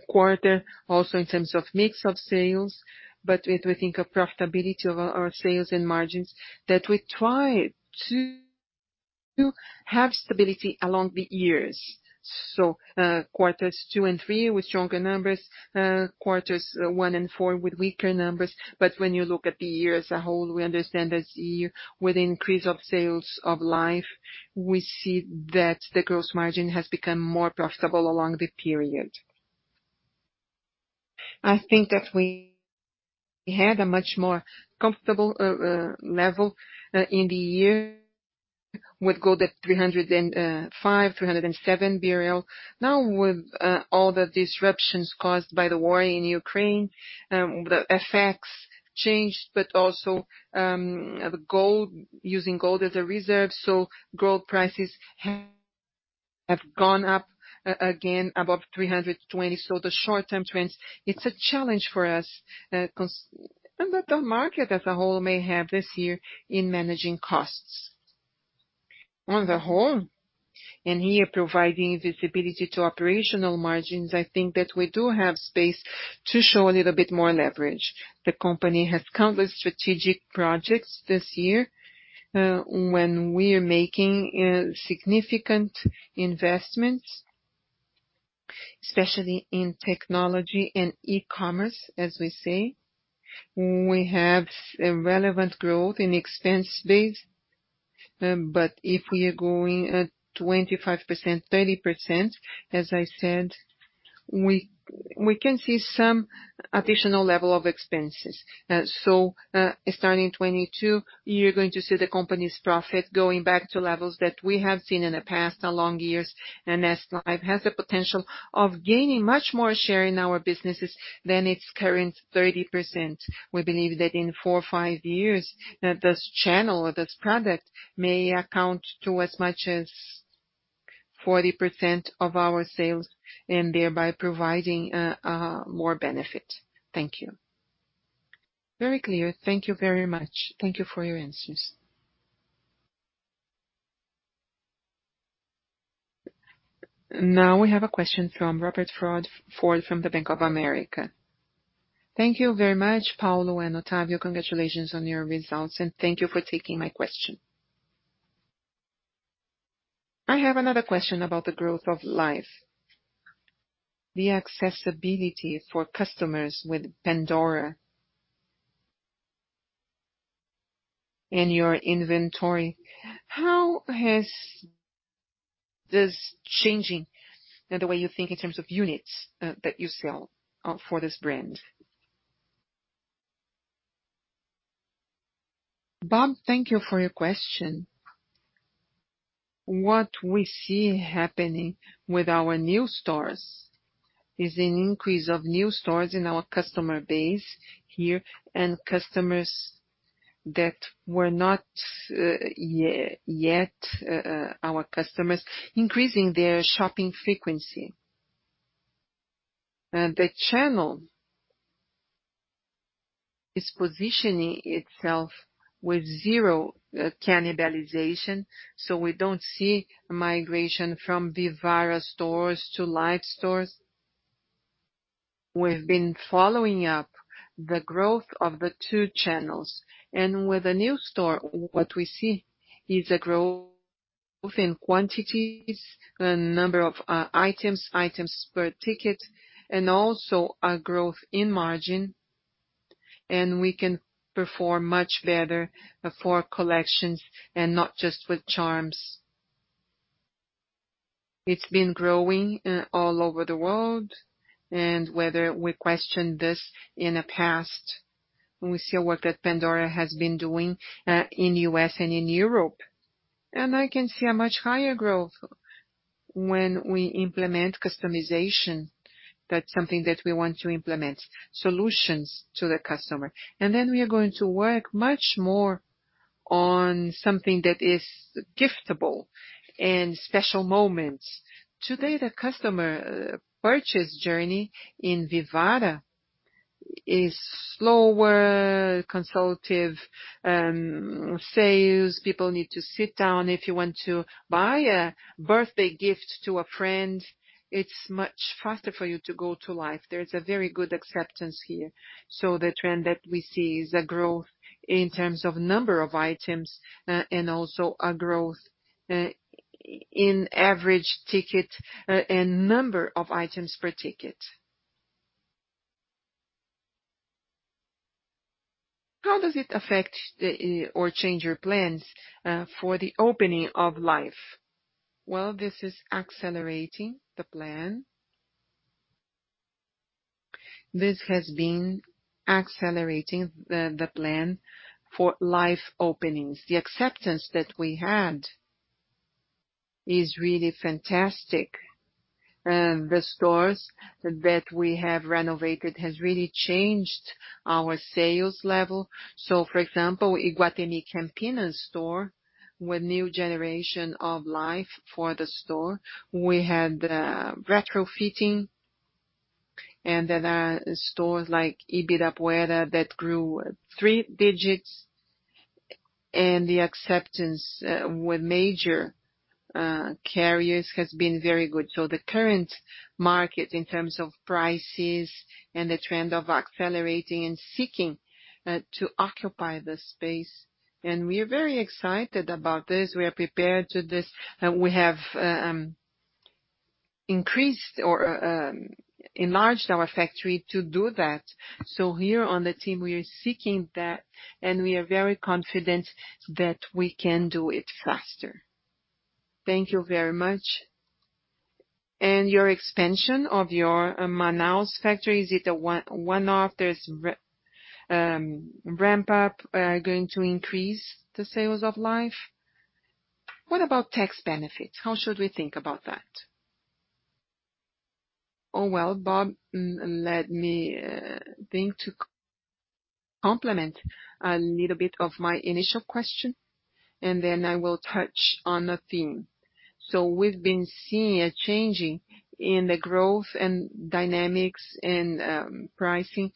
quarter also in terms of mix of sales. If we think of profitability of our sales and margins that we try to have stability along the years. Quarters two and three with stronger numbers, quarters one and four with weaker numbers. When you look at the year as a whole, we understand as a year with increase of sales of Life, we see that the gross margin has become more profitable along the period. I think that we had a much more comfortable level in the year with gold at 305-307 BRL. Now, with all the disruptions caused by the war in Ukraine, the effects changed, but also the gold using gold as a reserve. Gold prices have gone up again above 320. The short-term trends, it's a challenge for us and the market as a whole this year in managing costs. On the whole, here providing visibility to operational margins, I think that we do have space to show a little bit more leverage. The company has countless strategic projects this year, when we are making significant investments, especially in technology and e-commerce, as we say. We have a relevant growth in expense base. If we are growing at 25%, 30%, as I said, we can see some additional level of expenses. Starting 2022, you're going to see the company's profit going back to levels that we have seen in the past over the years. As Life has the potential of gaining much more share in our businesses than its current 30%, we believe that in four or five years this channel or this product may account for as much as 40% of our sales and thereby providing more benefit. Thank you.
Very clear. Thank you very much. Thank you for your answers.
Now we have a question from Robert Ford from Bank of America.
Thank you very much, Paulo and Otavio. Congratulations on your results, and thank you for taking my question. I have another question about the growth of Life. The accessibility for customers with Pandora in your inventory, how has this changing the way you think in terms of units that you sell for this brand?
Bob, thank you for your question. What we see happening with our new stores is an increase of new stores in our customer base here, and customers that were not yet our customers increasing their shopping frequency. The channel is positioning itself with zero cannibalization, so we don't see migration from Vivara stores to Life stores. We've been following up the growth of the two channels. With a new store, what we see is a growth in quantities, number of items per ticket, and also a growth in margin. We can perform much better for collections and not just with charms. It's been growing all over the world. Whether we question this in the past, we see the work that Pandora has been doing in U.S. and in Europe. I can see a much higher growth when we implement customization. That's something that we want to implement, solutions to the customer. Then we are going to work much more on something that is giftable and special moments. Today, the customer purchase journey in Vivara is slower, consultative sales. People need to sit down. If you want to buy a birthday gift to a friend, it's much faster for you to go to Life. There's a very good acceptance here. The trend that we see is a growth in terms of number of items, and also a growth in average ticket, and number of items per ticket.
How does it affect or change your plans for the opening of Life?
Well, this is accelerating the plan. This has been accelerating the plan for Life openings. The acceptance that we had is really fantastic. The stores that we have renovated has really changed our sales level. For example, Iguatemi Campinas store with new generation of Life for the store, we had retrofitting and then stores like Ibirapuera that grew 3 digits. The acceptance with major carriers has been very good. The current market in terms of prices and the trend of accelerating and seeking to occupy the space, and we are very excited about this. We are prepared to this. We have increased or enlarged our factory to do that. Here on the team we are seeking that, and we are very confident that we can do it faster.
Thank you very much. Your expansion of your Manaus factory, is it a one-off? There's ramp up going to increase the sales of Life? What about tax benefits? How should we think about that?
Well, Bob, let me begin.... To complement a little bit of my initial question, and then I will touch on the theme. We've been seeing a changing in the growth and dynamics in pricing.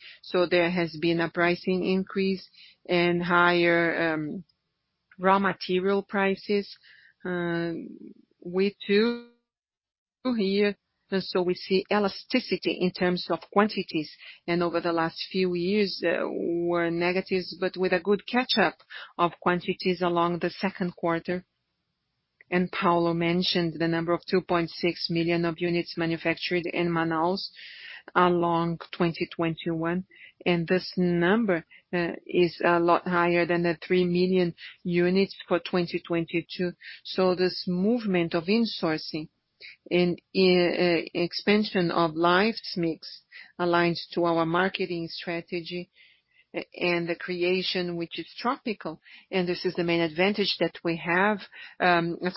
There has been a pricing increase and higher raw material prices. We see elasticity in terms of quantities. Over the last few years were negative, but with a good catch-up of quantities in the second quarter. Paulo mentioned the number of 2.6 million units manufactured in Manaus in 2021, and this number is a lot higher than the 3 million units for 2022. This movement of insourcing and expansion of Life's mix aligns to our marketing strategy and the creation which is tropical. This is the main advantage that we have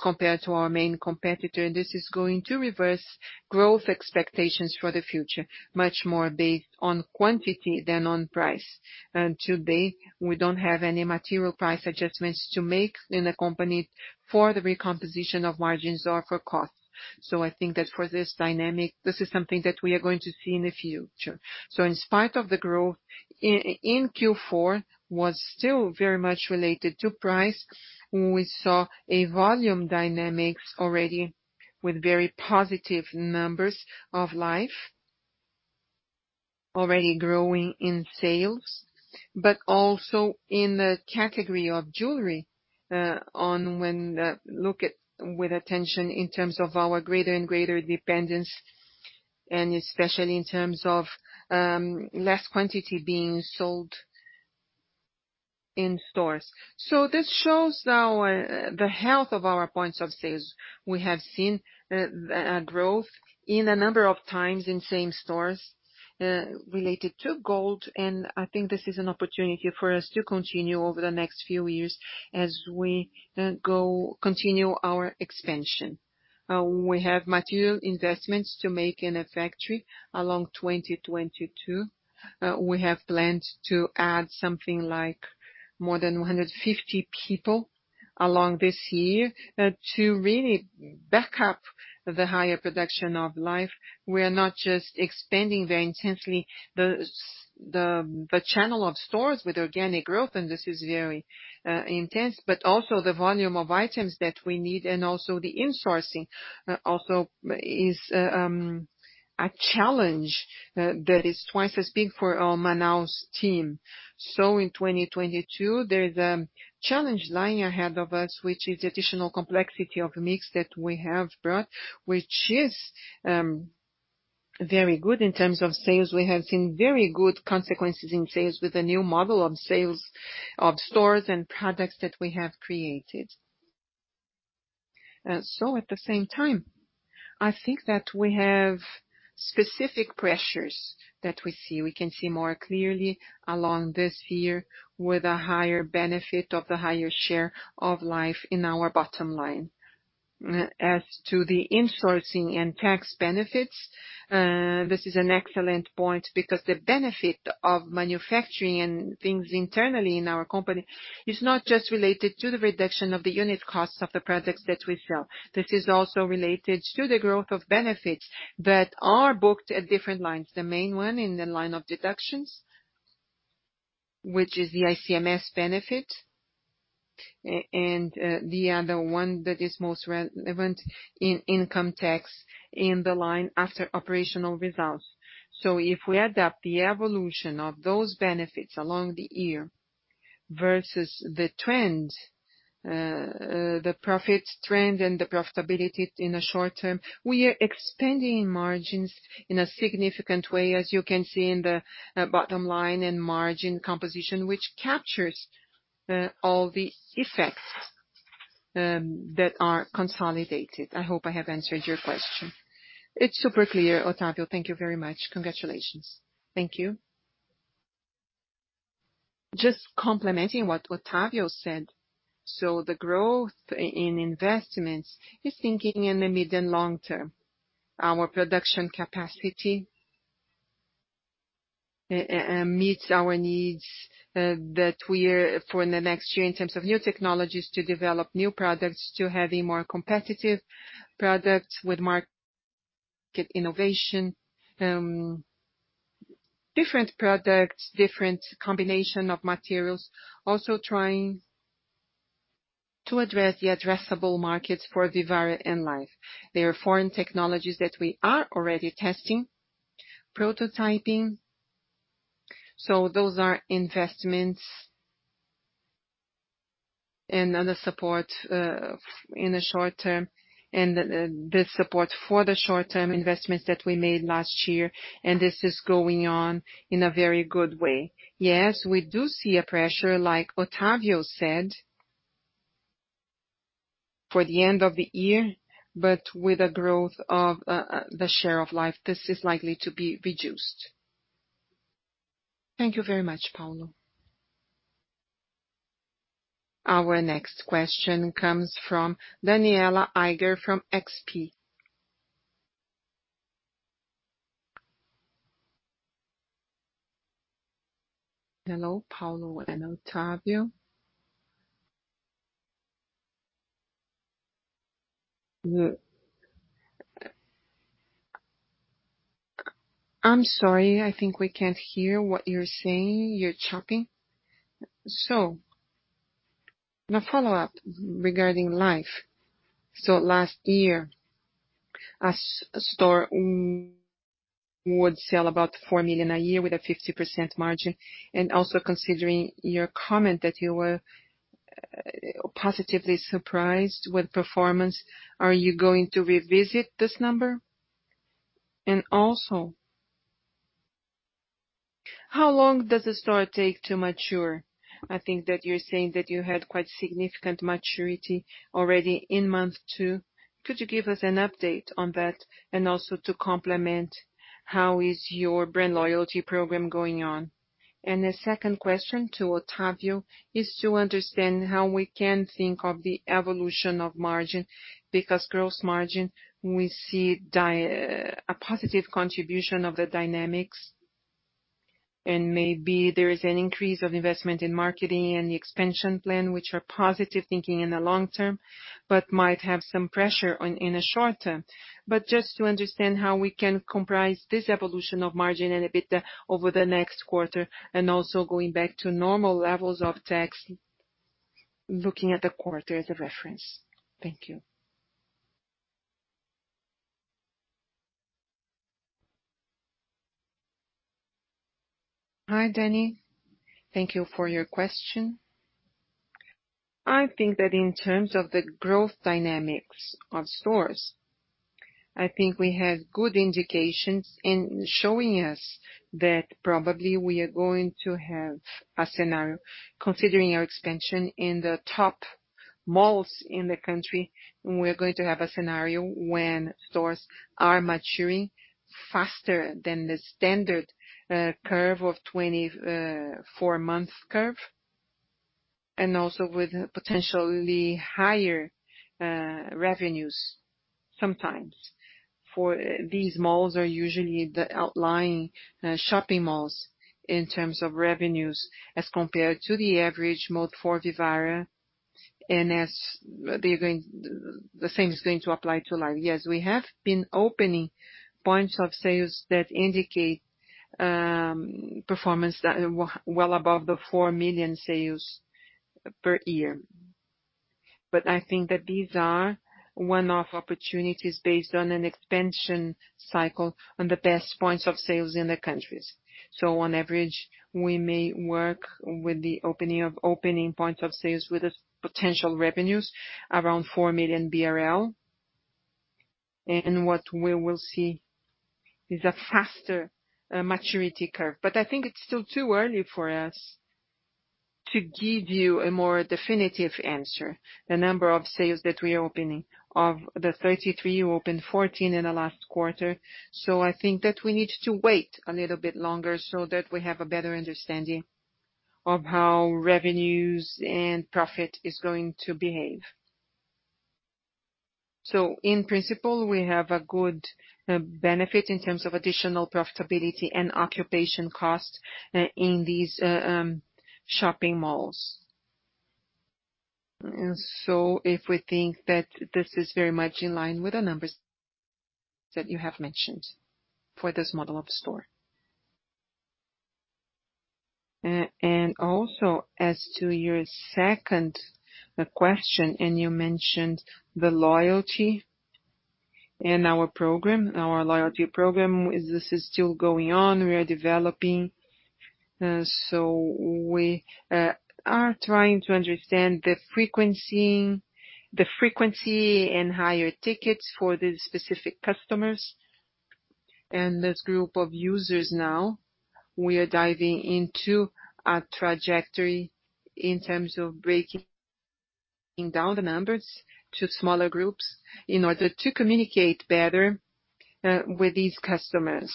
compared to our main competitor. This is going to reverse growth expectations for the future, much more based on quantity than on price. To date, we don't have any material price adjustments to make in the company for the recomposition of margins or for costs. I think that for this dynamic, this is something that we are going to see in the future. In spite of the growth in Q4 was still very much related to price. We saw a volume dynamics already with very positive numbers of Life already growing in sales, but also in the category of jewelry, omni-channel, look at with attention in terms of our greater and greater dependence, and especially in terms of, less quantity being sold in stores. This shows the health of our points of sales. We have seen growth in a number of times in same stores related to gold, and I think this is an opportunity for us to continue over the next few years as we continue our expansion. We have material investments to make in a factory in 2022. We have planned to add something like more than 150 people in this year to really back up the higher production of Life. We are not just expanding very intensely the channel of stores with organic growth, and this is very intense, but also the volume of items that we need and also the insourcing also is a challenge that is twice as big for our Manaus team. In 2022, there is a challenge lying ahead of us, which is additional complexity of mix that we have brought, which is very good in terms of sales. We have seen very good consequences in sales with the new model of sales of stores and products that we have created. At the same time, I think that we have specific pressures that we see. We can see more clearly along this year with a higher benefit of the higher share of Life in our bottom line. As to the insourcing and tax benefits, this is an excellent point because the benefit of manufacturing and things internally in our company is not just related to the reduction of the unit costs of the products that we sell. This is also related to the growth of benefits that are booked at different lines. The main one in the line of deductions, which is the ICMS benefit, and the other one that is most relevant in income tax in the line after operational results. If we add up the evolution of those benefits along the year versus the trend, the profits trend and the profitability in the short term. We are expanding margins in a significant way, as you can see in the bottom line and margin composition, which captures all the effects that are consolidated. I hope I have answered your question.
It's super clear, Otavio. Thank you very much. Congratulations.
Thank you. Just complementing what Otavio said. The growth in investments is thinking in the mid and long term. Our production capacity meets our needs for the next year in terms of new technologies to develop new products, to having more competitive products with market innovation. Different products, different combination of materials. Also trying to address the addressable markets for Vivara and Life. There are foreign technologies that we are already testing, prototyping. Those are investments. Other support in the short term and the support for the short-term investments that we made last year. This is going on in a very good way. Yes, we do see a pressure, like Otavio said, for the end of the year, but with a growth of the share of Life, this is likely to be reduced.
Thank you very much, Paulo.
Our next question comes from Danniela Eiger from XP.
Hello, Paulo and Otavio.
I'm sorry, I think we can't hear what you're saying. You're choppy.
The follow-up regarding Life. Last year, a store would sell about 4 million a year with a 50% margin. Also considering your comment that you were positively surprised with performance, are you going to revisit this number? Also, how long does the store take to mature? I think that you're saying that you had quite significant maturity already in month 2. Could you give us an update on that? Also to complement, how is your brand loyalty program going on? A second question to Otavio is to understand how we can think of the evolution of margin, because gross margin, we see a positive contribution of the dynamics. Maybe there is an increase of investment in marketing and the expansion plan, which are positive thinking in the long term, but might have some pressure on in the short term. Just to understand how we can comprise this evolution of margin and a bit over the next quarter, and also going back to normal levels of tax, looking at the quarter as a reference. Thank you.
Hi, Danny. Thank you for your question. I think that in terms of the growth dynamics of stores, we have good indications in showing us that probably we are going to have a scenario. Considering our expansion in the top malls in the country, we are going to have a scenario when stores are maturing faster than the standard curve of 24 months, and also with potentially higher revenues sometimes, for these malls are usually the outlying shopping malls in terms of revenues as compared to the average mall for Vivara. The same is going to apply to Life. Yes, we have been opening points of sales that indicate performance that are well above the 4 million sales per year. I think that these are one-off opportunities based on an expansion cycle on the best points of sales in the countries. On average, we may work with the opening of points of sales with the potential revenues around 4 million BRL. What we will see is a faster maturity curve. I think it's still too early for us to give you a more definitive answer. The number of sales that we are opening, of the 33, we opened 14 in the last quarter. I think that we need to wait a little bit longer so that we have a better understanding of how revenues and profit is going to behave. In principle, we have a good benefit in terms of additional profitability and occupancy costs in these shopping malls. If we think that this is very much in line with the numbers that you have mentioned for this model of store. Also as to your second question, you mentioned the loyalty and our program. Our loyalty program is still going on. We are developing. We are trying to understand the frequency and higher tickets for these specific customers and this group of users now. We are diving into a trajectory in terms of breaking down the numbers to smaller groups in order to communicate better with these customers.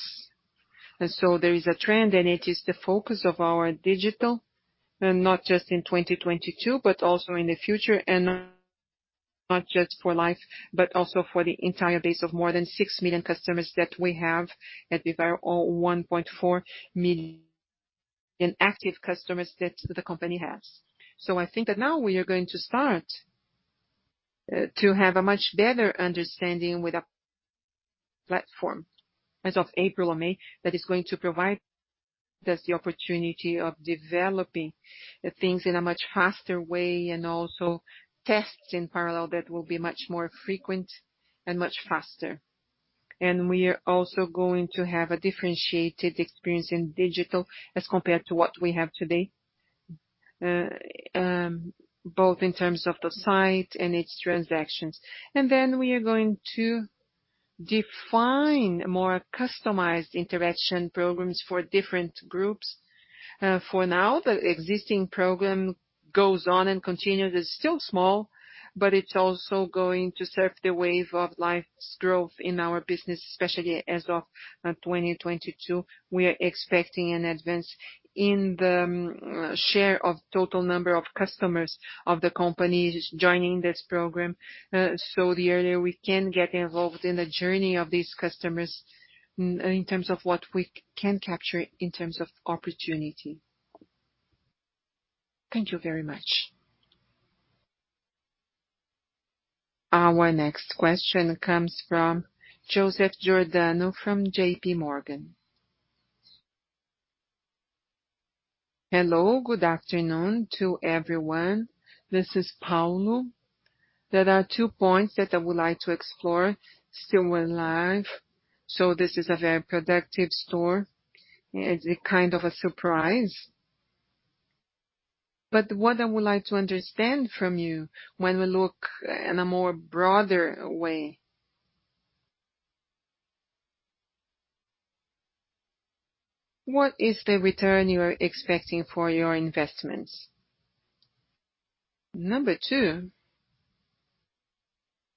There is a trend, and it is the focus of our digital, not just in 2022, but also in the future, and not just for life, but also for the entire base of more than 6 million customers that we have at Vivara, or 1.4 million active customers that the company has. I think that now we are going to start to have a much better understanding with our platform as of April or May that is going to provide us the opportunity of developing things in a much faster way and also tests in parallel that will be much more frequent and much faster. We are also going to have a differentiated experience in digital as compared to what we have today, both in terms of the site and its transactions. We are going to define more customized interaction programs for different groups. For now, the existing program goes on and continues. It's still small, but it's also going to surf the wave of Life's growth in our business, especially as of 2022. We are expecting an advance in the share of total number of customers of the companies joining this program, so the earlier we can get involved in the journey of these customers in terms of what we can capture in terms of opportunity.
Thank you very much.
Our next question comes from Joseph Giordano from JP Morgan.
Hello, good afternoon to everyone. This is Paulo. There are two points that I would like to explore. Still with Life, so this is a very productive store. It's a kind of a surprise. What I would like to understand from you when we look in a more broader way. What is the return you are expecting for your investments? Number two,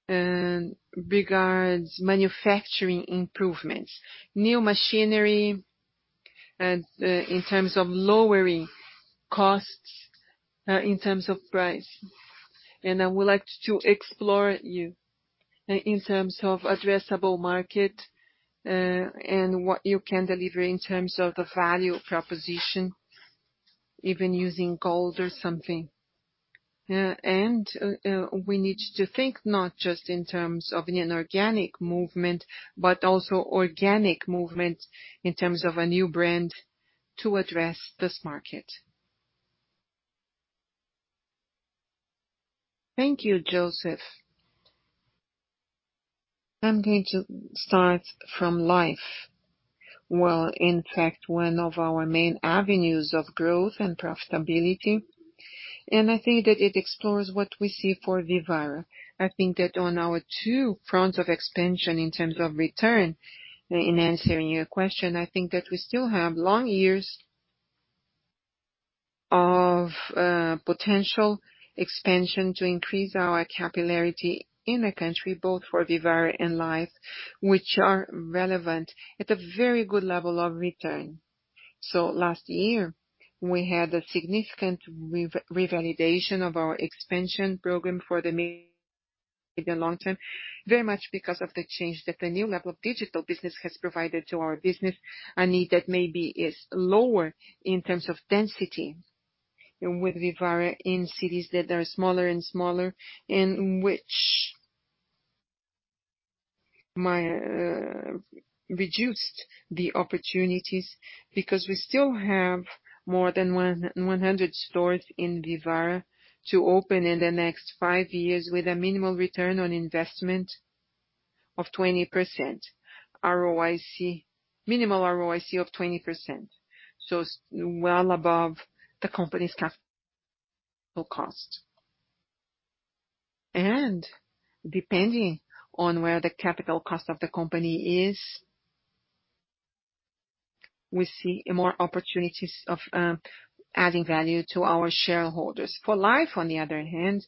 regards manufacturing improvements. New machinery, in terms of lowering costs, in terms of price. I would like to explore with you in terms of addressable market, and what you can deliver in terms of the value proposition, even using gold or something. We need to think not just in terms of an inorganic movement, but also organic movement in terms of a new brand to address this market.
Thank you, Joseph. I'm going to start from Life. Well, in fact, one of our main avenues of growth and profitability, and I think that it explores what we see for Vivara. I think that on our 2 fronts of expansion in terms of return, in answering your question, I think that we still have long years of potential expansion to increase our capillarity in the country, both for Vivara and Life, which are relevant at a very good level of return. Last year, we had a significant revalidation of our expansion program for the main long term, very much because of the change that the new level of digital business has provided to our business, a need that maybe is lower in terms of density with Vivara in cities that are smaller and smaller and which may reduce the opportunities because we still have more than 100 stores in Vivara to open in the next 5 years with a minimal return on investment of 20% ROIC. Well above the company's capital cost. Depending on where the capital cost of the company is, we see more opportunities of adding value to our shareholders. For Life, on the other hand,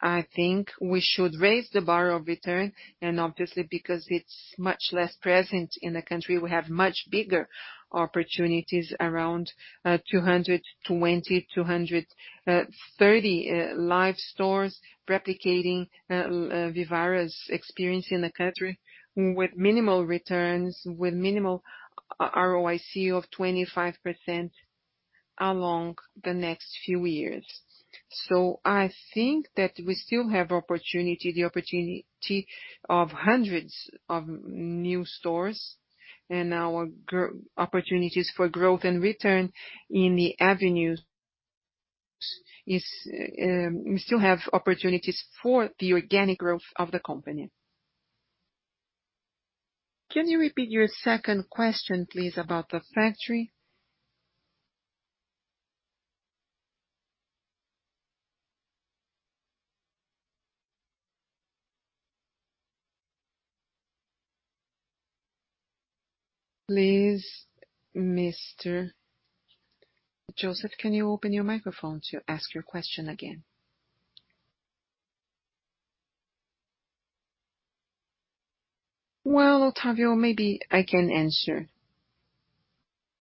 I think we should raise the bar of return. Obviously, because it's much less present in the country, we have much bigger opportunities around 220-230 Life stores replicating Vivara's experience in the country with minimal returns, with minimal ROIC of 25% along the next few years. I think that we still have opportunity the opportunity of hundreds of new stores and our opportunities for growth and return in the avenues is we still have opportunities for the organic growth of the company. Can you repeat your second question, please, about the factory?
Please, Mr. Joseph, can you open your microphone to ask your question again? Well, Otavio, maybe I can answer.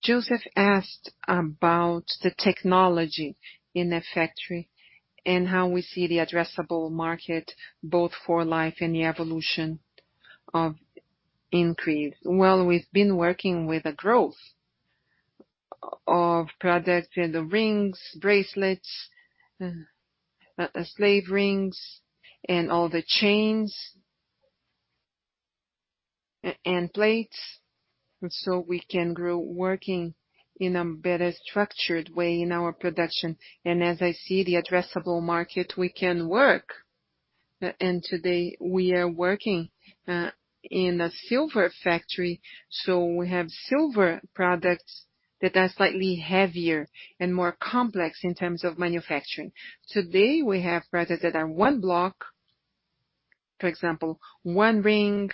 Joseph asked about the technology in the factory and how we see the addressable market, both for Life and the evolution of increase. Well, we've been working with the growth of products in the rings, bracelets, slave rings and all the chains and plates, so we can grow working in a better structured way in our production. As I see the addressable market, we can work. Today we are working in a silver factory, so we have silver products that are slightly heavier and more complex in terms of manufacturing. Today, we have products that are one block, for example, one ring,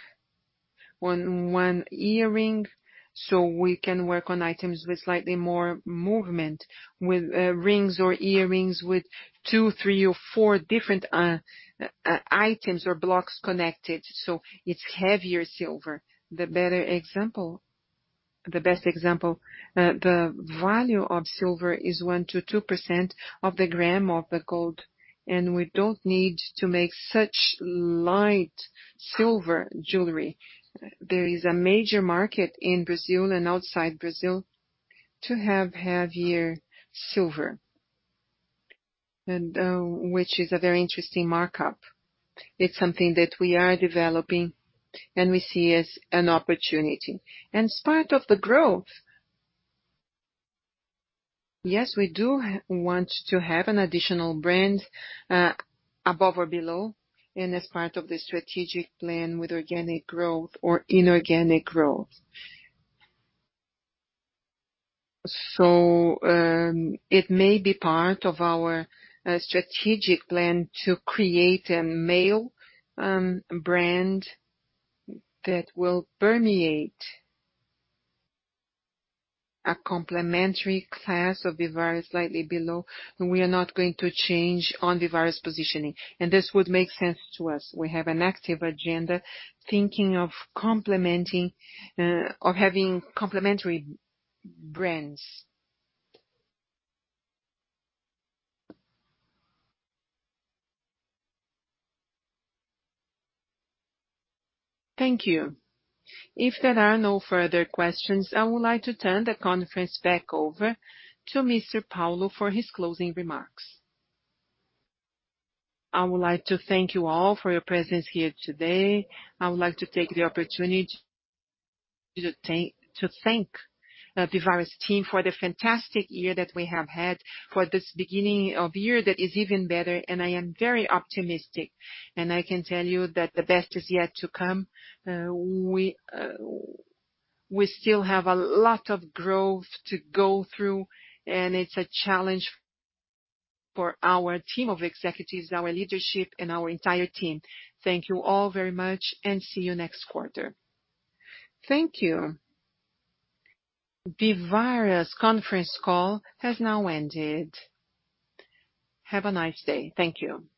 one earring, so we can work on items with slightly more movement with rings or earrings with two, three or four different items or blocks connected, so it's heavier silver. The best example, the value of silver is 1%-2% per gram of gold, and we don't need to make such light silver jewelry. There is a major market in Brazil and outside Brazil to have heavier silver, which is a very interesting markup. It's something that we are developing, and we see as an opportunity. As part of the growth, yes, we do want to have an additional brand above or below, and as part of the strategic plan with organic growth or inorganic growth. It may be part of our strategic plan to create a male brand that will permeate a complementary class of Vivara slightly below. We are not going to change on Vivara's positioning, and this would make sense to us. We have an active agenda thinking of complementing or having complementary brands. Thank you. If there are no further questions, I would like to turn the conference back over to Mr. Paulo for his closing remarks. I would like to thank you all for your presence here today. I would like to take the opportunity to thank the Vivara's team for the fantastic year that we have had, for this beginning of year that is even better, and I am very optimistic. I can tell you that the best is yet to come. We still have a lot of growth to go through, and it's a challenge for our team of executives, our leadership, and our entire team. Thank you all very much and see you next quarter.
Thank you. Vivara's conference call has now ended. Have a nice day. Thank you.